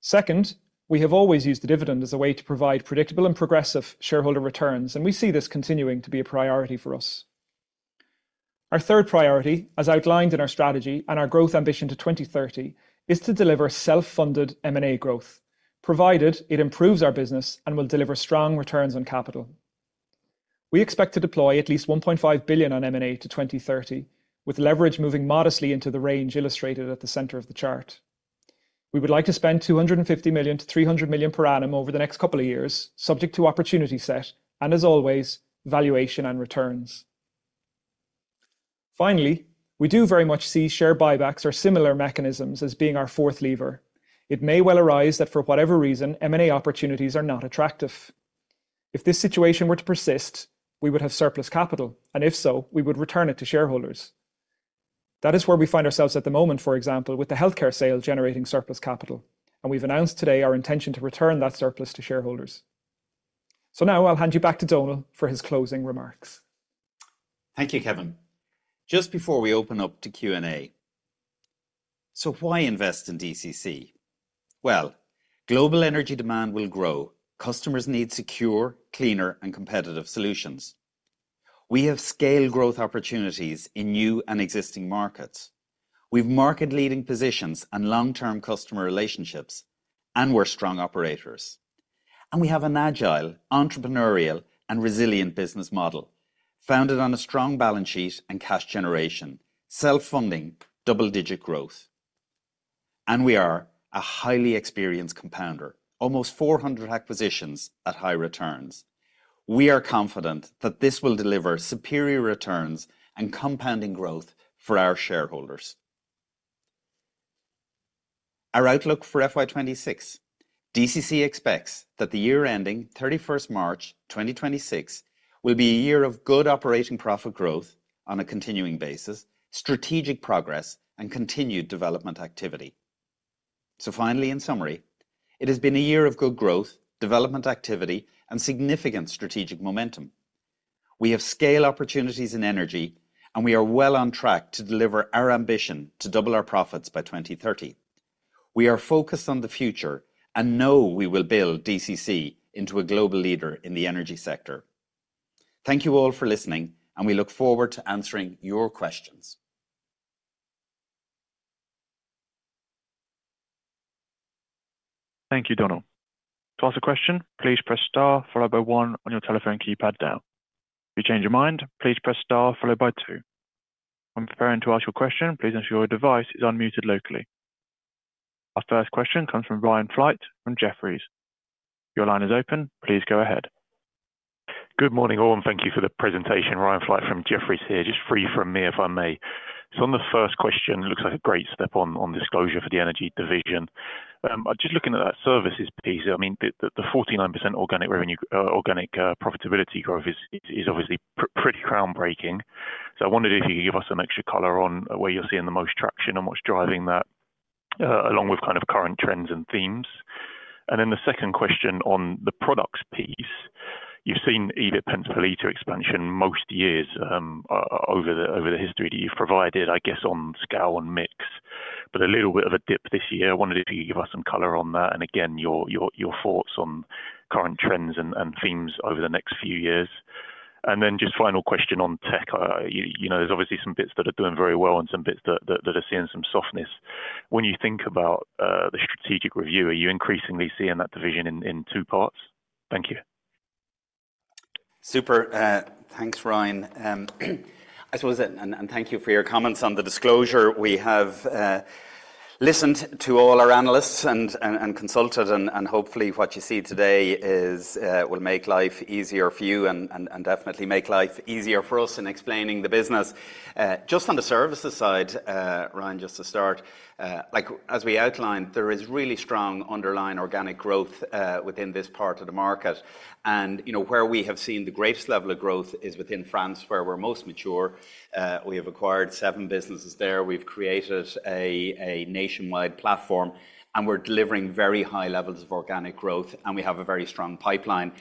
Second, we have always used the dividend as a way to provide predictable and progressive shareholder returns, and we see this continuing to be a priority for us. Our third priority, as outlined in our strategy and our growth ambition to 2030, is to deliver self-funded M&A growth, provided it improves our business and will deliver strong returns on capital. We expect to deploy at least 1.5 billion on M&A to 2030, with leverage moving modestly into the range illustrated at the center of the chart. We would like to spend 250 million-300 million per annum over the next couple of years, subject to opportunity set and, as always, valuation and returns. Finally, we do very much see share buybacks or similar mechanisms as being our fourth lever. It may well arise that for whatever reason, M&A opportunities are not attractive. If this situation were to persist, we would have surplus capital, and if so, we would return it to shareholders. That is where we find ourselves at the moment, for example, with the healthcare sale generating surplus capital, and we have announced today our intention to return that surplus to shareholders. Now I will hand you back to Donal for his closing remarks. Thank you, Kevin. Just before we open up to Q&A, why invest in DCC? Global energy demand will grow. Customers need secure, cleaner, and competitive solutions. We have scale growth opportunities in new and existing markets. We have market-leading positions and long-term customer relationships, and we are strong operators. We have an agile, entrepreneurial, and resilient business model founded on a strong balance sheet and cash generation, self-funding, double-digit growth. We are a highly experienced compounder, almost 400 acquisitions at high returns. We are confident that this will deliver superior returns and compounding growth for our shareholders. Our outlook for FY26: DCC expects that the year ending 31st March 2026 will be a year of good operating profit growth on a continuing basis, strategic progress, and continued development activity. Finally, in summary, it has been a year of good growth, development activity, and significant strategic momentum. We have scale opportunities in energy, and we are well on track to deliver our ambition to double our profits by 2030. We are focused on the future and know we will build DCC into a global leader in the energy sector. Thank you all for listening, and we look forward to answering your questions. Thank you, Donal. To ask a question, please press star followed by one on your telephone keypad now. If you change your mind, please press star followed by two. When preparing to ask your question, please ensure your device is unmuted locally. Our first question comes from Ryan Flight from Jefferies. Your line is open. Please go ahead. Good morning, all, and thank you for the presentation. Ryan Flight from Jefferies here, just three from me if I may. On the first question, it looks like a great step on disclosure for the energy division. Just looking at that services piece, I mean, the 49% organic profitability growth is obviously pretty groundbreaking. I wondered if you could give us some extra color on where you're seeing the most traction and what's driving that, along with kind of current trends and themes? The second question on the products piece, you've seen EBIT pence per liter expansion most years over the history that you've provided, I guess, on scale and mix, but a little bit of a dip this year. I wondered if you could give us some color on that? And again, your thoughts on current trends and themes over the next few years? Just final question on tech. There's obviously some bits that are doing very well and some bits that are seeing some softness. When you think about the strategic review, are you increasingly seeing that division in two parts? Thank you. Super. Thanks, Ryan. I suppose, and thank you for your comments on the disclosure. We have listened to all our analysts and consulted, and hopefully, what you see today will make life easier for you and definitely make life easier for us in explaining the business. Just on the services side, Ryan, just to start, as we outlined, there is really strong underlying organic growth within this part of the market. Where we have seen the greatest level of growth is within France, where we're most mature. We have acquired seven businesses there. We've created a nationwide platform, and we're delivering very high levels of organic growth, and we have a very strong pipeline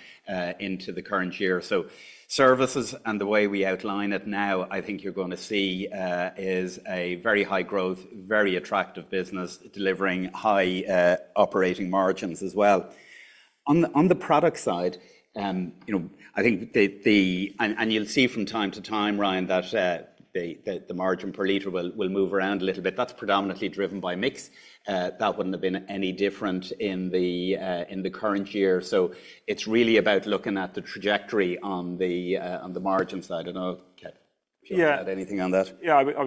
into the current year. Services and the way we outline it now, I think you're going to see is a very high growth, very attractive business delivering high operating margins as well. On the product side, I think, and you'll see from time to time, Ryan, that the margin per liter will move around a little bit. That's predominantly driven by mix. That wouldn't have been any different in the current year. It's really about looking at the trajectory on the margin side. I don't know, Kev, do you have anything on that? Yeah.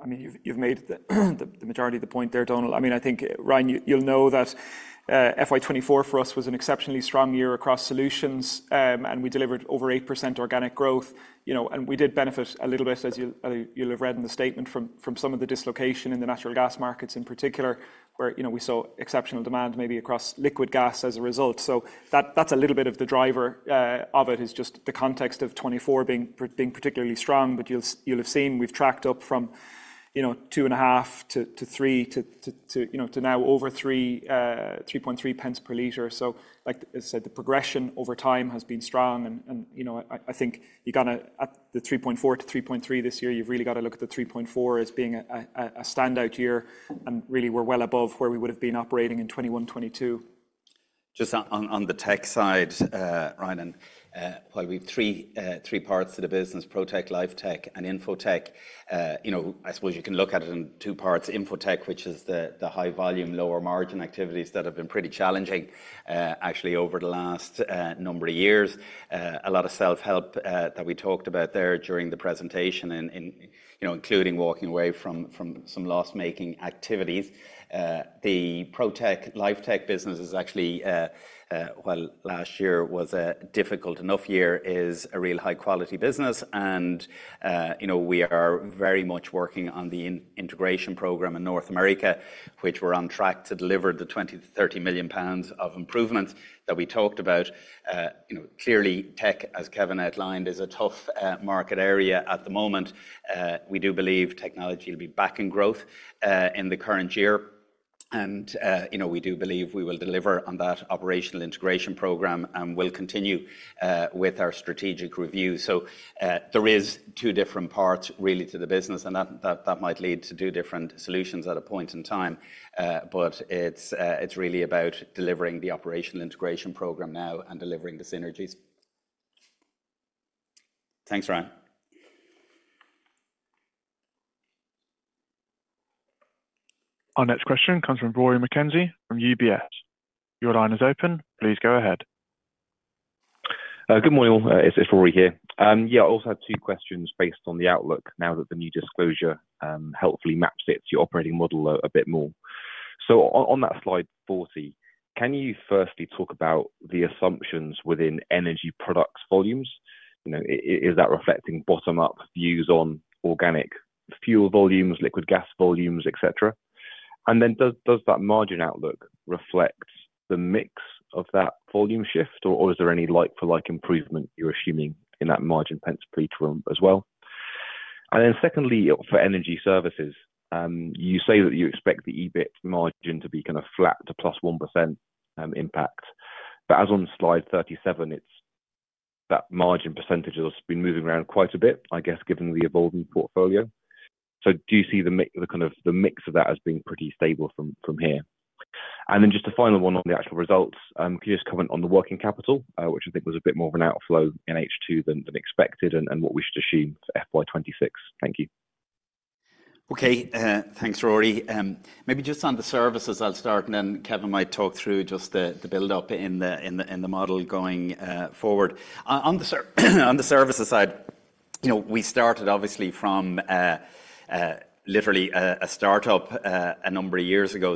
I mean, you've made the majority of the point there, Donal. I mean, I think, Ryan, you'll know that FY 2024 for us was an exceptionally strong year across solutions, and we delivered over 8% organic growth. We did benefit a little bit, as you'll have read in the statement, from some of the dislocation in the natural gas markets in particular, where we saw exceptional demand maybe across liquid gas as a result. That is a little bit of the driver of it, just the context of 2024 being particularly strong. You'll have seen we've tracked up from 0.025 to 0.03 to now over 0.033 per liter. Like I said, the progression over time has been strong, and I think you've got to, at the 0.034 to 0.033 this year, you've really got to look at the 0.034 as being a standout year, and really, we're well above where we would have been operating in 2021, 2022. Just on the tech side, Ryan, and probably three parts to the business: Pro Tech, Live Tech, and Info Tech. I suppose you can look at it in two parts: Info Tech, which is the high volume, lower margin activities that have been pretty challenging, actually, over the last number of years. A lot of self-help that we talked about there during the presentation, including walking away from some loss-making activities. The Pro Tech, Live Tech business is actually, well, last year was a difficult enough year, is a real high-quality business. We are very much working on the integration program in North America, which we are on track to deliver the 20 million-30 million pounds of improvement that we talked about. Clearly, tech, as Kevin outlined, is a tough market area at the moment. We do believe technology will be back in growth in the current year. We do believe we will deliver on that operational integration program and will continue with our strategic review. There are two different parts, really, to the business, and that might lead to two different solutions at a point in time. It is really about delivering the operational integration program now and delivering the synergies. Thanks, Ryan. Our next question comes from Rory McKenzie from UBS. Your line is open. Please go ahead. Good morning. It is Rory here. Yeah, I also had two questions based on the outlook now that the new disclosure helpfully maps it to your operating model a bit more. On that slide 40, can you firstly talk about the assumptions within Energy Products volumes? Is that reflecting bottom-up views on organic fuel volumes, liquid gas volumes, etc.? Does that margin outlook reflect the mix of that volume shift, or is there any like-for-like improvement you're assuming in that margin pence per liter as well? Secondly, for Energy Services, you say that you expect the EBIT margin to be kind of flat to plus 1% impact. As on slide 37, that margin percentage has been moving around quite a bit, I guess, given the evolving portfolio. Do you see the mix of that as being pretty stable from here? And then just a final one on the actual results. Could you just comment on the working capital, which I think was a bit more of an outflow in H2 than expected and what we should assume for FY 2026? Thank you. Okay. Thanks, Rory. Maybe just on the services, I'll start, and then Kevin might talk through just the build-up in the model going forward. On the services side, we started obviously from literally a startup a number of years ago.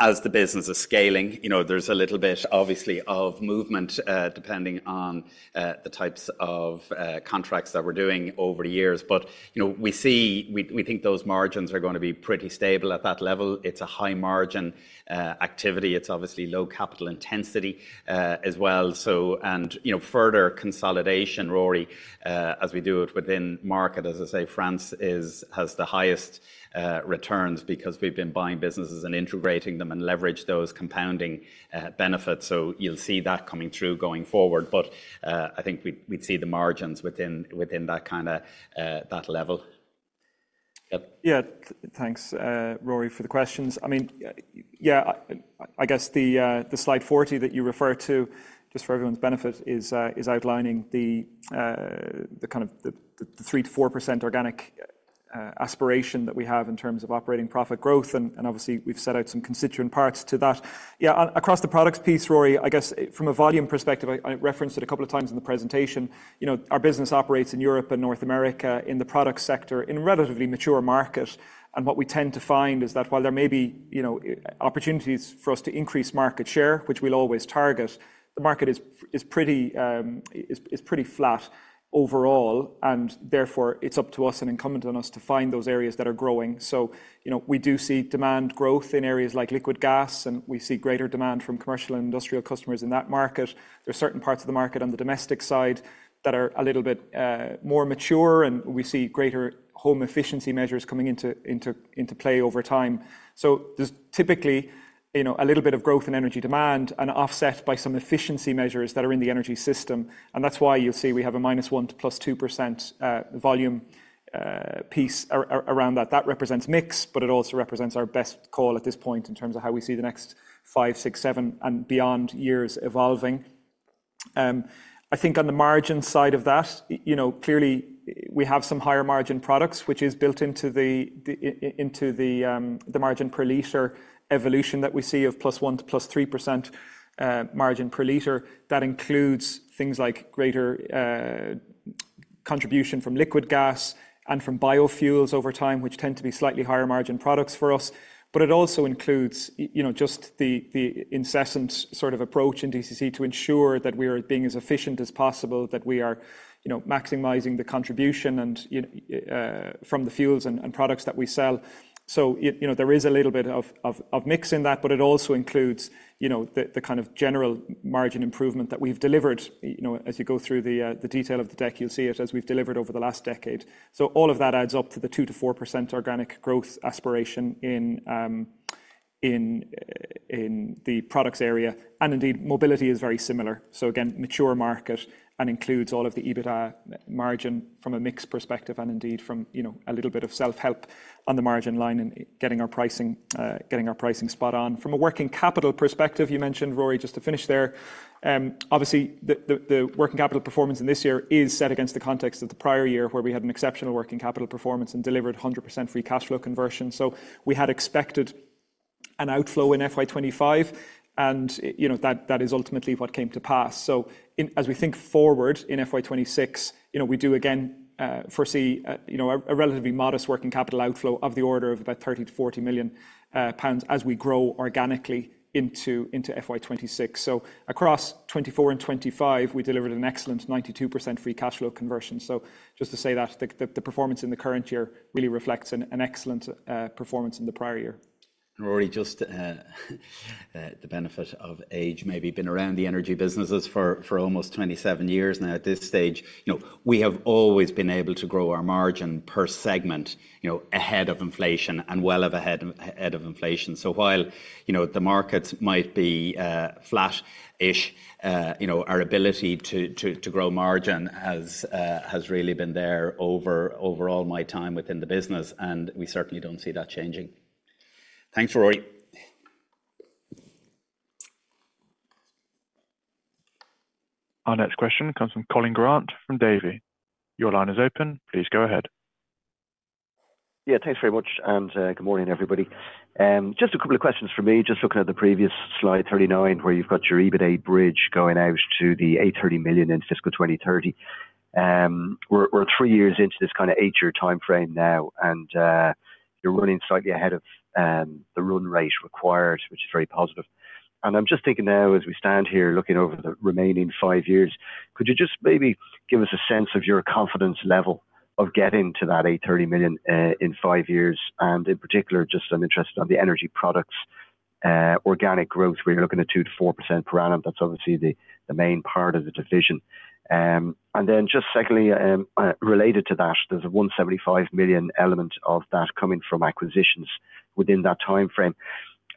As the business is scaling, there's a little bit, obviously, of movement depending on the types of contracts that we're doing over the years. We think those margins are going to be pretty stable at that level. It's a high-margin activity. It's obviously low capital intensity as well. Further consolidation, Rory, as we do it within market, as I say, France has the highest returns because we've been buying businesses and integrating them and leveraged those compounding benefits. You will see that coming through going forward. I think we would see the margins within that kind of level. Yeah. Thanks, Rory, for the questions. I mean, yeah, I guess the slide 40 that you refer to, just for everyone's benefit, is outlining the kind of 3-4% organic aspiration that we have in terms of operating profit growth. Obviously, we've set out some constituent parts to that. Yeah. Across the products piece, Rory, I guess from a volume perspective, I referenced it a couple of times in the presentation. Our business operates in Europe and North America in the product sector in a relatively mature market. What we tend to find is that while there may be opportunities for us to increase market share, which we will always target, the market is pretty flat overall. Therefore, it is up to us and incumbent on us to find those areas that are growing. We do see demand growth in areas like liquid gas, and we see greater demand from commercial and industrial customers in that market. There are certain parts of the market on the domestic side that are a little bit more mature, and we see greater home efficiency measures coming into play over time. There is typically a little bit of growth in energy demand, offset by some efficiency measures that are in the energy system. That is why you will see we have a -1% to +2% volume piece around that. That represents mix, but it also represents our best call at this point in terms of how we see the next five, six, seven, and beyond years evolving. I think on the margin side of that, clearly, we have some higher margin products, which is built into the margin per liter evolution that we see of +1% to +3% margin per liter. That includes things like greater contribution from liquid gas and from biofuels over time, which tend to be slightly higher margin products for us. It also includes just the incessant sort of approach in DCC to ensure that we are being as efficient as possible, that we are maximizing the contribution from the fuels and products that we sell. There is a little bit of mix in that, but it also includes the kind of general margin improvement that we've delivered. As you go through the detail of the deck, you'll see it as we've delivered over the last decade. All of that adds up to the 2-4% organic growth aspiration in the products area. Mobility is very similar. Again, mature market and includes all of the EBITDA margin from a mix perspective and from a little bit of self-help on the margin line and getting our pricing spot on. From a working capital perspective, you mentioned, Rory, just to finish there, obviously, the working capital performance in this year is set against the context of the prior year where we had an exceptional working capital performance and delivered 100% free cash flow conversion. We had expected an outflow in FY 2025, and that is ultimately what came to pass. As we think forward in FY 2026, we do, again, foresee a relatively modest working capital outflow of the order of about 30-40 million pounds as we grow organically into FY 2026. Across 2024 and 2025, we delivered an excellent 92% free cash flow conversion. Just to say that the performance in the current year really reflects an excellent performance in the prior year. Rory, just the benefit of age, maybe been around the energy businesses for almost 27 years now at this stage. We have always been able to grow our margin per segment ahead of inflation and well ahead of inflation. While the markets might be flat-ish, our ability to grow margin has really been there over all my time within the business, and we certainly do not see that changing. Thanks, Rory. Our next question comes from Colin Grant from Davy. Your line is open. Please go ahead. Yeah. Thanks very much. And good morning, everybody. Just a couple of questions for me. Just looking at the previous slide 39, where you've got your EBITDA bridge going out to 830 million in fiscal 2030. We're three years into this kind of eight-year timeframe now, and you're running slightly ahead of the run rate required, which is very positive. I'm just thinking now, as we stand here looking over the remaining five years, could you just maybe give us a sense of your confidence level of getting to that 830 million in five years? In particular, I'm interested on the Energy Products organic growth, where you're looking at 2-4% per annum. That's obviously the main part of the division. Then just secondly, related to that, there's a 175 million element of that coming from acquisitions within that timeframe.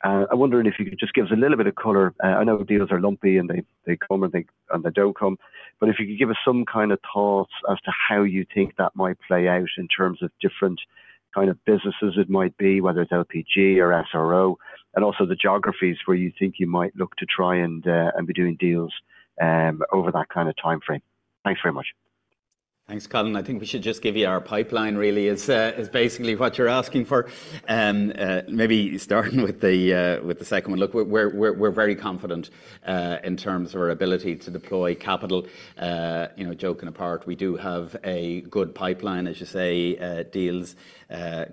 I'm wondering if you could just give us a little bit of color. I know deals are lumpy, and they come and they don't come. If you could give us some kind of thoughts as to how you think that might play out in terms of different kind of businesses it might be, whether it's liquid gas or SRO, and also the geographies where you think you might look to try and be doing deals over that kind of timeframe. Thanks very much. Thanks, Colin. I think we should just give you our pipeline, really, is basically what you're asking for. Maybe starting with the second one. Look, we're very confident in terms of our ability to deploy capital. Joking apart, we do have a good pipeline, as you say. Deals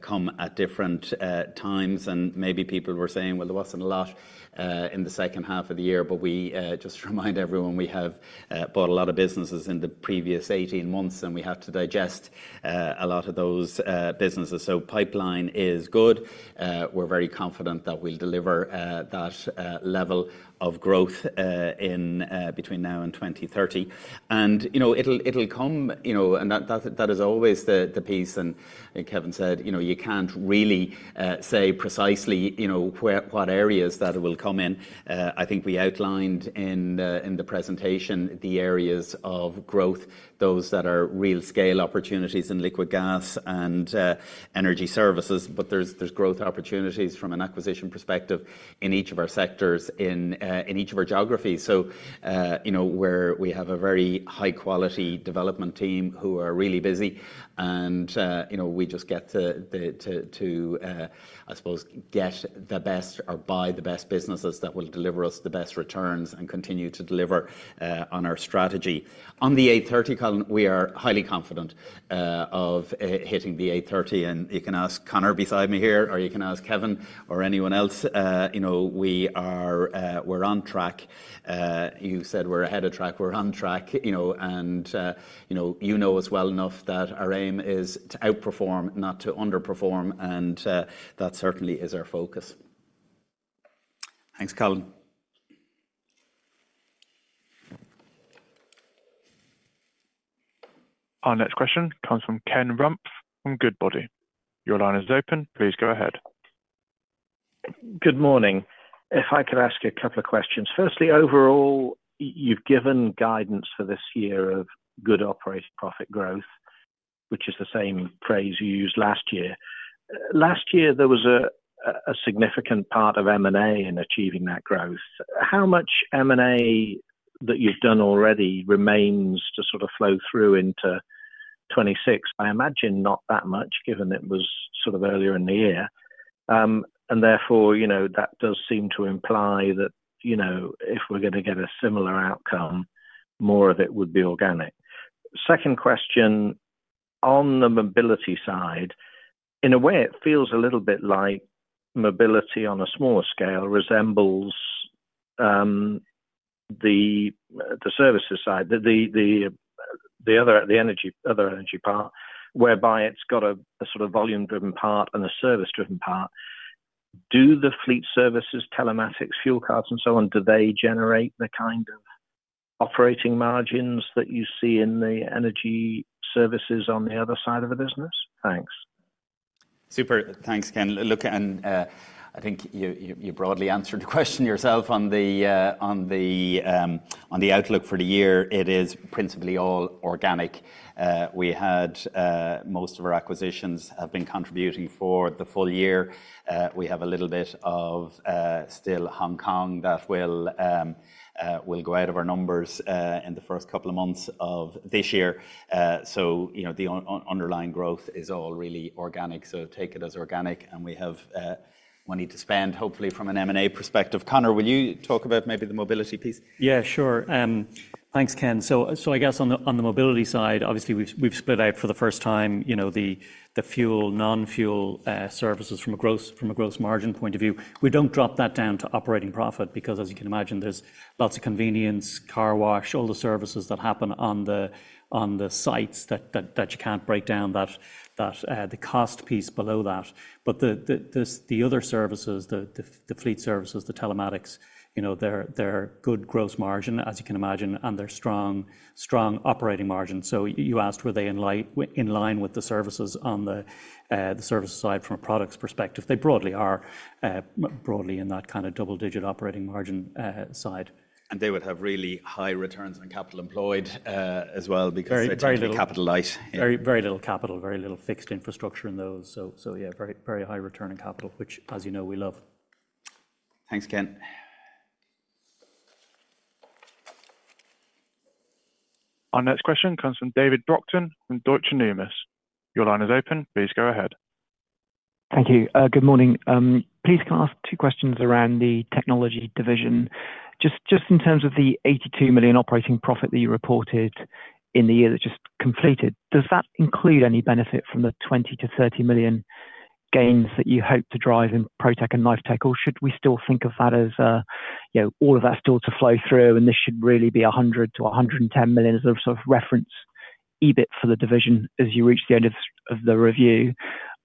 come at different times. Maybe people were saying, "There wasn't a lot in the second half of the year." We just remind everyone we have bought a lot of businesses in the previous 18 months, and we have to digest a lot of those businesses. Pipeline is good. We are very confident that we will deliver that level of growth between now and 2030. It will come, and that is always the piece. Kevin said, "You can't really say precisely what areas that will come in." I think we outlined in the presentation the areas of growth, those that are real scale opportunities in liquid gas and energy services. There are growth opportunities from an acquisition perspective in each of our sectors, in each of our geographies. We have a very high-quality development team who are really busy. We just get to, I suppose, get the best or buy the best businesses that will deliver us the best returns and continue to deliver on our strategy. On the 830, Colin, we are highly confident of hitting the 830. You can ask Conor beside me here, or you can ask Kevin or anyone else. We're on track. You said we're ahead of track. We're on track. You know us well enough that our aim is to outperform, not to underperform. That certainly is `our focus. Thanks, Colin. Our next question comes from Ken Rumph from Goodbody. Your line is open. Please go ahead. Good morning. If I could ask you a couple of questions. Firstly, overall, you've given guidance for this year of good operating profit growth, which is the same phrase you used last year. Last year, there was a significant part of M&A in achieving that growth. How much M&A that you've done already remains to sort of flow through into 2026? I imagine not that much, given it was sort of earlier in the year. That does seem to imply that if we're going to get a similar outcome, more of it would be organic. Second question, on the mobility side, in a way, it feels a little bit like mobility on a smaller scale resembles the services side, the other energy part, whereby it's got a sort of volume-driven part and a service-driven part. Do the fleet services, telematics, fuel cards, and so on, do they generate the kind of operating margins that you see in the energy services on the other side of the business? Thanks. Super. Thanks, Ken. Look, and I think you broadly answered the question yourself on the outlook for the year. It is principally all organic. We had most of our acquisitions have been contributing for the full year. We have a little bit of still Hong Kong that will go out of our numbers in the first couple of months of this year. The underlying growth is all really organic. Take it as organic, and we have money to spend, hopefully, from an M&A perspective. Conor, will you talk about maybe the mobility piece? Yeah, sure. Thanks, Ken. I guess on the mobility side, obviously, we have split out for the first time the fuel, non-fuel services from a gross margin point of view. We do not drop that down to operating profit because, as you can imagine, there is lots of convenience, car wash, all the services that happen on the sites that you cannot break down, the cost piece below that. The other services, the fleet services, the telematics, they are good gross margin, as you can imagine, and they are strong operating margins. You asked, were they in line with the services on the service side from a products perspective? They broadly are, broadly in that kind of double-digit operating margin side. They would have really high returns on capital employed as well because they are very little capitalized. Very little capital, very little fixed infrastructure in those. Yeah, very high return on capital, which, as you know, we love. Thanks, Ken. Our next question comes from David Brockton from Deutsche Numis. Your line is open. Please go ahead. Thank you. Good morning. Please can I ask two questions around the technology division? Just in terms of the 82 million operating profit that you reported in the year that just completed, does that include any benefit from the 20 million-30 million gains that you hope to drive in Pro Tech and Live Tech? Or should we still think of that as all of that still to flow through, and this should really be 100 million-110 million as a sort of reference EBIT for the division as you reach the end of the review?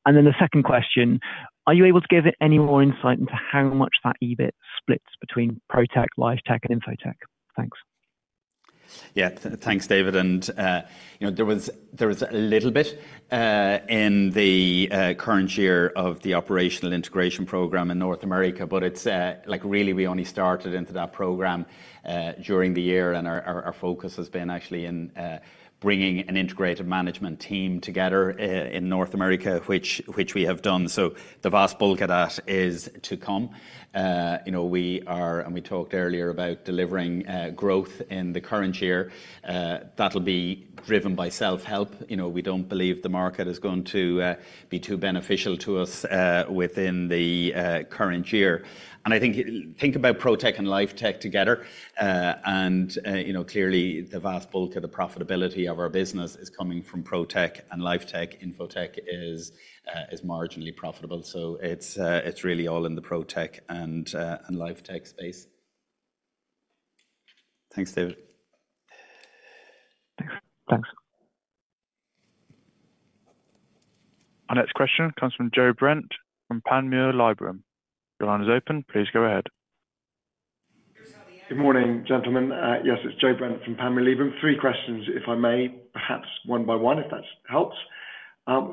And then the second question, are you able to give any more insight into how much that EBIT splits between Pro Tech, Live Tech, and Info Tech? Thanks. Yeah. Thanks, David. There was a little bit in the current year of the operational integration program in North America, but really, we only started into that program during the year. Our focus has been actually in bringing an integrated management team together in North America, which we have done. The vast bulk of that is to come. We talked earlier about delivering growth in the current year. That will be driven by self-help. We do not believe the market is going to be too beneficial to us within the current year. I think about Pro Tech and Live Tech together. Clearly, the vast bulk of the profitability of our business is coming from Pro Tech and Live Tech. Info Tech is marginally profitable. It is really all in the Pro Tech and Live Tech space. Thanks, David. Thanks. Our next question comes from Joe Brent from Panmure Liberum. Your line is open. Please go ahead. Good morning, gentlemen. Yes, it is Joe Brent from Panmure Liberum. Three questions, if I may, perhaps one by one, if that helps.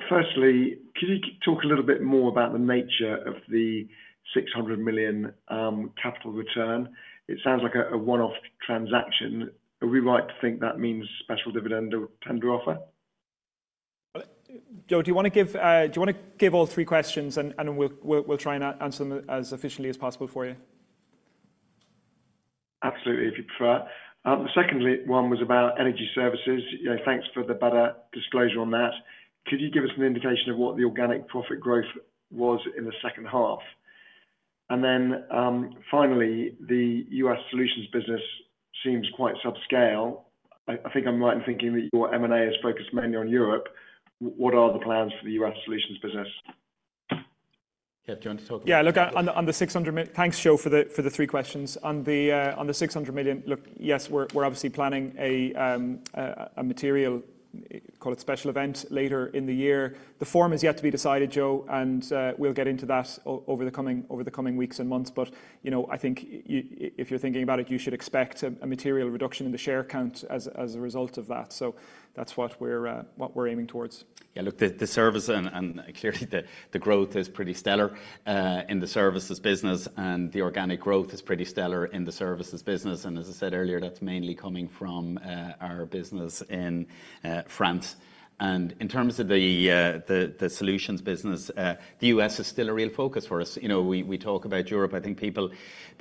Firstly, could you talk a little bit more about the nature of the 600 million capital return? It sounds like a one-off transaction. Are we right to think that means special dividend or tender offer? Joe, do you want to give all three questions, and we will try and answer them as efficiently as possible for you? Absolutely, if you prefer. The second one was about Energy Services. Thanks for the better disclosure on that. Could you give us an indication of what the organic profit growth was in the second half? And then finally, the U.S. solutions business seems quite subscale. I think I am right in thinking that your M&A is focused mainly on Europe. What are the plans for the U.S. solutions business? Yeah, do you want to talk? Yeah. Look, on the 600 million, thanks, Joe, for the three questions. On the 600 million, look, yes, we're obviously planning a material, call it special event later in the year. The form is yet to be decided, Joe, and we'll get into that over the coming weeks and months. I think if you're thinking about it, you should expect a material reduction in the share count as a result of that. That's what we're aiming towards. Yeah. Look, the service, and clearly, the growth is pretty stellar in the services business, and the organic growth is pretty stellar in the services business. As I said earlier, that's mainly coming from our business in France. In terms of the solutions business, the U.S. is still a real focus for us. We talk about Europe. I think people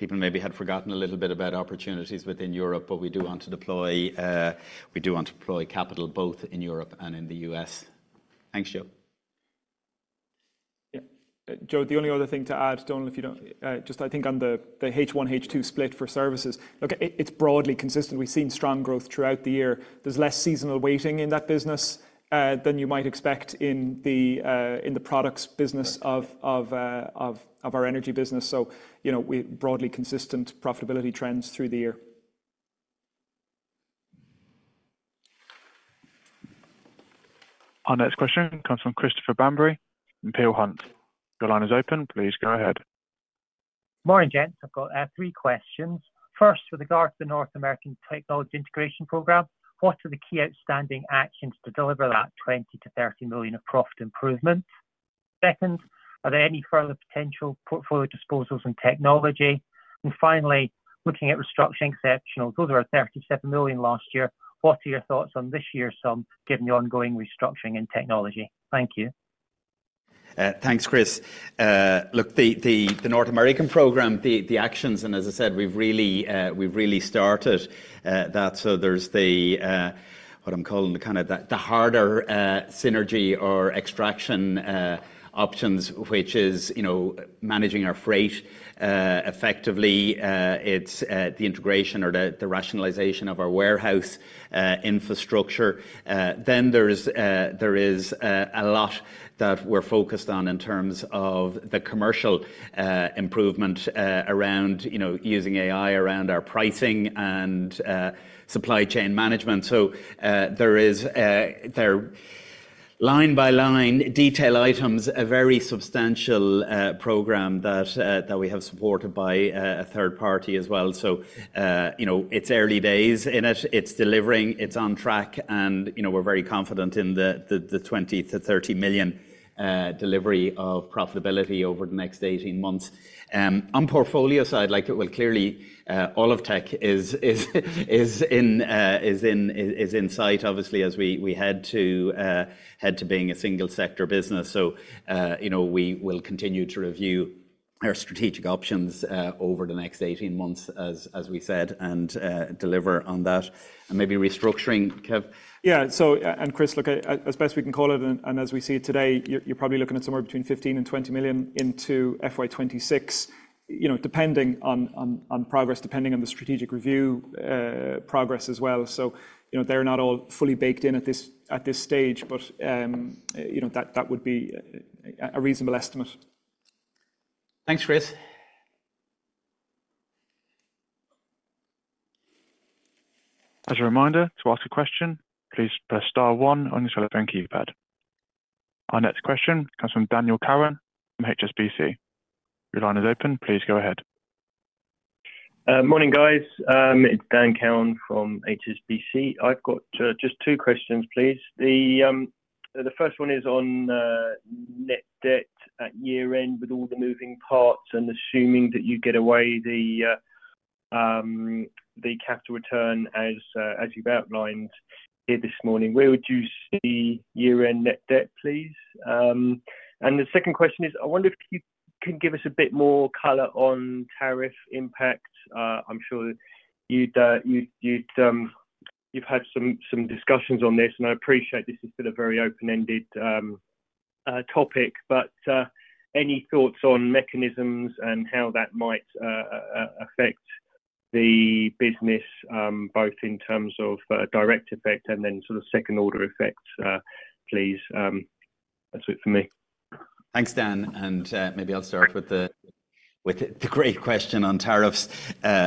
maybe had forgotten a little bit about opportunities within Europe, but we do want to deploy capital both in Europe and in the U.S. Thanks, Joe. Yeah. Joe, the only other thing to add, Donal, if you do not just, I think on the H1, H2 split for services, look, it is broadly consistent. We have seen strong growth throughout the year. There is less seasonal weighting in that business than you might expect in the products business of our energy business. Broadly consistent profitability trends through the year. Our next question comes from Christopher Banbury from Peel Hunt. Your line is open. Please go ahead. Morning, gents. I have got three questions. First, with regard to the North American technology integration program, what are the key outstanding actions to deliver that 20 million- 30 million of profit improvement? Second, are there any further potential portfolio disposals in technology? Finally, looking at restructuring exceptional, those were 37 million last year. What are your thoughts on this year's sum given the ongoing restructuring in technology? Thank you. Thanks, Chris. Look, the North American program, the actions, and as I said, we've really started that. There is what I'm calling kind of the harder synergy or extraction options, which is managing our freight effectively. It is the integration or the rationalization of our warehouse infrastructure. There is a lot that we're focused on in terms of the commercial improvement around using AI around our pricing and supply chain management. There are, line by line, detailed items, a very substantial program that we have supported by a third party as well. It is early days in it. It is delivering. It is on track. We are very confident in the 20 million-30 million delivery of profitability over the next 18 months. On portfolio side, like it will clearly, all of tech is in sight, obviously, as we head to being a single-sector business. We will continue to review our strategic options over the next 18 months, as we said, and deliver on that. Maybe restructuring, Kev. Yeah. Chris, look, as best we can call it, and as we see it today, you're probably looking at somewhere between 15 million-20 million into FY 2026, depending on progress, depending on the strategic review progress as well. They're not all fully baked in at this stage, but that would be a reasonable estimate. Thanks, Chris. As a reminder, to ask a question, please press star one on your telephone keypad. Our next question comes from Daniel Cowan from HSBC. Your line is open. Please go ahead. Morning, guys. It's Dan Cowan from HSBC. I've got just two questions, please. The first one is on net debt at year-end with all the moving parts and assuming that you get away the capital return as you've outlined here this morning. Where would you see year-end net debt, please? The second question is, I wonder if you can give us a bit more color on tariff impact. I'm sure you've had some discussions on this, and I appreciate this is still a very open-ended topic. Any thoughts on mechanisms and how that might affect the business, both in terms of direct effect and then sort of second-order effect, please? That's it for me. Thanks, Dan. Maybe I'll start with the great question on tariffs.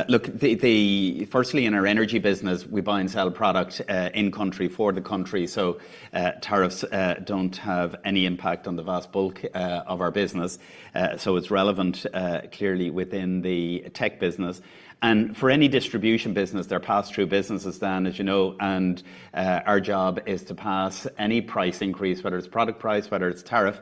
Look, firstly, in our energy business, we buy and sell products in-country for the country. Tariffs do not have any impact on the vast bulk of our business. It's relevant clearly within the tech business. For any distribution business, they're pass-through businesses, Dan, as you know. Our job is to pass any price increase, whether it's product price or tariff,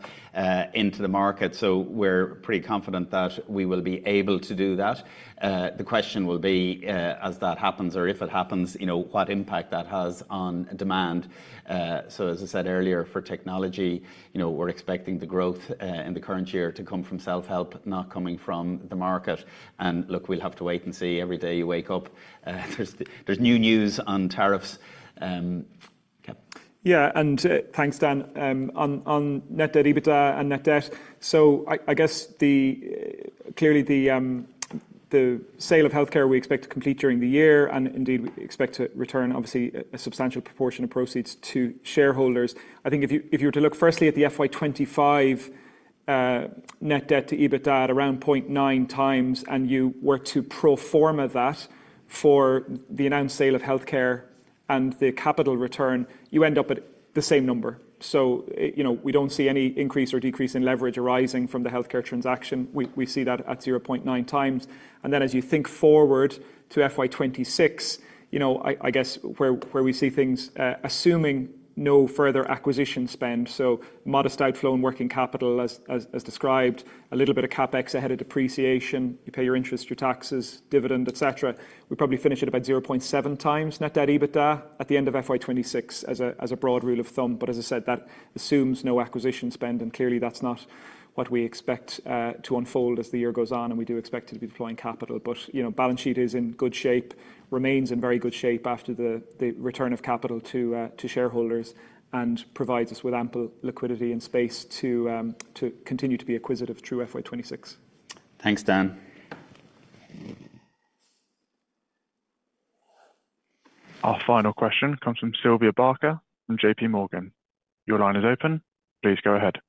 into the market. We're pretty confident that we will be able to do that. The question will be, as that happens, or if it happens, what impact that has on demand. As I said earlier, for technology, we're expecting the growth in the current year to come from self-help, not coming from the market. We'll have to wait and see. Every day you wake up, there's new news on tariffs. Yeah. Thanks, Dan. On net debt EBITDA and net debt, I guess clearly the sale of healthcare we expect to complete during the year, and indeed, we expect to return, obviously, a substantial proportion of proceeds to shareholders. I think if you were to look firstly at the FY 2025 net debt to EBITDA at around 0.9x, and you were to pro forma that for the announced sale of healthcare and the capital return, you end up at the same number. We do not see any increase or decrease in leverage arising from the healthcare transaction. We see that at 0.9x. As you think forward to FY 2026, I guess where we see things, assuming no further acquisition spend, so modest outflow in working capital, as described, a little bit of CapEx ahead of depreciation, you pay your interest, your taxes, dividend, etc., we probably finish at about 0.7x net debt to EBITDA at the end of FY2026 as a broad rule of thumb. As I said, that assumes no acquisition spend, and clearly, that's not what we expect to unfold as the year goes on, and we do expect to be deploying capital. The balance sheet is in good shape, remains in very good shape after the return of capital to shareholders, and provides us with ample liquidity and space to continue to be acquisitive through FY 2026. Thanks, Dan. Our final question comes from Sylvia Barker from JPMorgan. Your line is open. Please go ahead.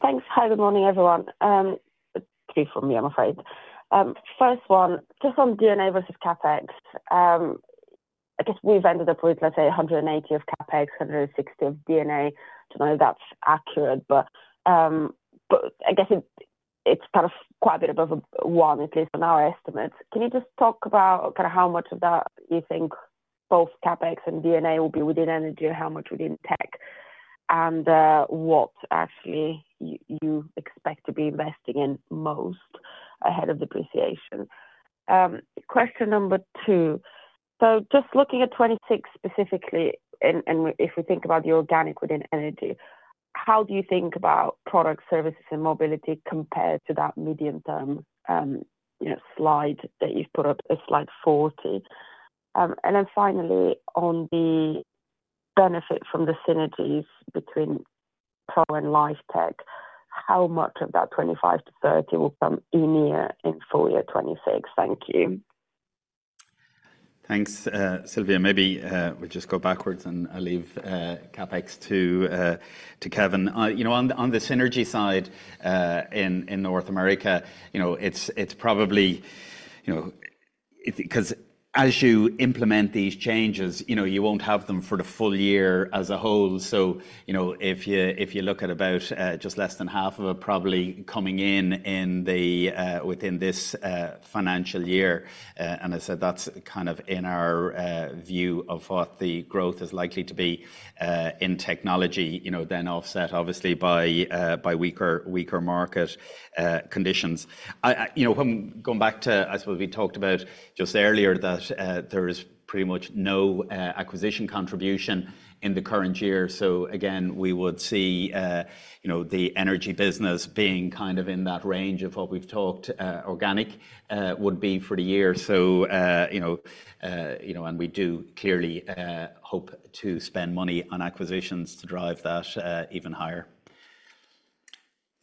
Thanks. Hi, good morning, everyone. Two from me, I'm afraid. First one, just on D&A versus CapEx, I guess we've ended up with, let's say, GBA 180 million of CapEx, 160 million of D&A. I do not know if that's accurate, but I guess it's kind of quite a bit above a one, at least on our estimates. Can you just talk about kind of how much of that you think both CapEx and D&A will be within energy, and how much within tech, and what actually you expect to be investing in most ahead of depreciation? Question number two. Just looking at 2026 specifically, and if we think about the organic within energy, how do you think about product services and mobility compared to that medium-term slide that you have put up, slide 40? Finally, on the benefit from the synergies between Pro and Live Tech, how much of that 25 million-30 million will come in year in full year 2026? Thank you. Thanks, Sylvia. Maybe we will just go backwards and leave CapEx to Kevin. On the synergy side in North America, it is probably because as you implement these changes, you will not have them for the full year as a whole. If you look at about just less than half of it probably coming in within this financial year, and I said that's kind of in our view of what the growth is likely to be in technology, then offset, obviously, by weaker market conditions. Going back to, I suppose we talked about just earlier that there is pretty much no acquisition contribution in the current year. Again, we would see the energy business being kind of in that range of what we've talked organic would be for the year. We do clearly hope to spend money on acquisitions to drive that even higher.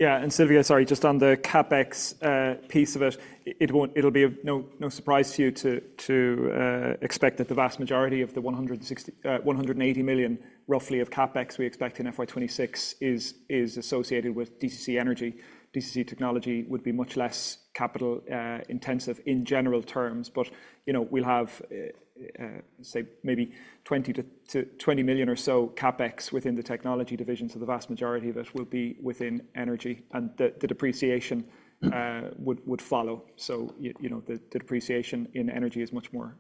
Yeah. Sylvia, sorry, just on the CapEx piece of it, it'll be no surprise to you to expect that the vast majority of the 180 million, roughly, of CapEx we expect in FY 2026 is associated with DCC Energy. DCC Technology would be much less capital-intensive in general terms. But we'll have, say, maybe 20 million or so CapEx within the Technology division, so the vast majority of it will be within Energy, and the depreciation would follow. The depreciation in Energy is much more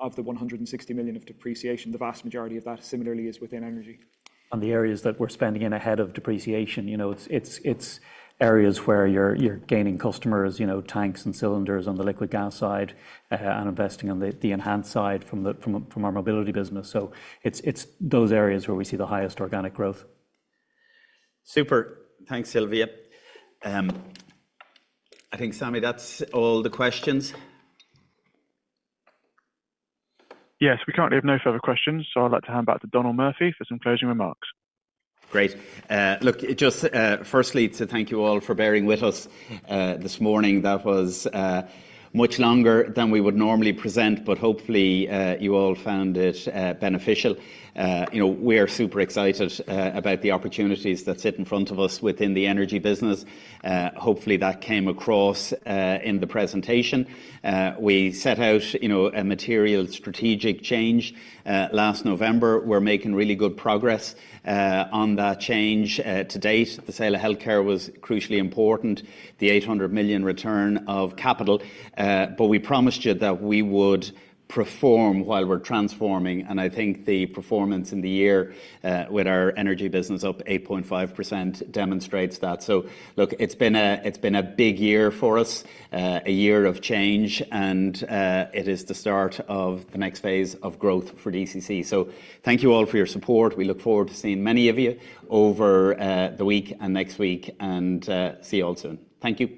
of the 160 million of depreciation. The vast majority of that, similarly, is within Energy. On the areas that we're spending in ahead of depreciation, it's areas where you're gaining customers, tanks and cylinders on the Liquid Gas side, and investing on the enhanced side from our Mobility business. It's those areas where we see the highest organic growth. Super. Thanks, Sylvia. I think, Sammy, that's all the questions? Yes. We currently have no further questions, so I'd like to hand back to Donal Murphy for some closing remarks. Great. Look, just firstly, to thank you all for bearing with us this morning. That was much longer than we would normally present, but hopefully, you all found it beneficial. We are super excited about the opportunities that sit in front of us within the energy business. Hopefully, that came across in the presentation. We set out a material strategic change last November. We're making really good progress on that change to date. The sale of healthcare was crucially important, the 800 million return of capital. We promised you that we would perform while we're transforming. I think the performance in the year with our energy business up 8.5% demonstrates that. Look, it's been a big year for us, a year of change, and it is the start of the next phase of growth for DCC. Thank you all for your support. We look forward to seeing many of you over the week and next week, and see you all soon. Thank you.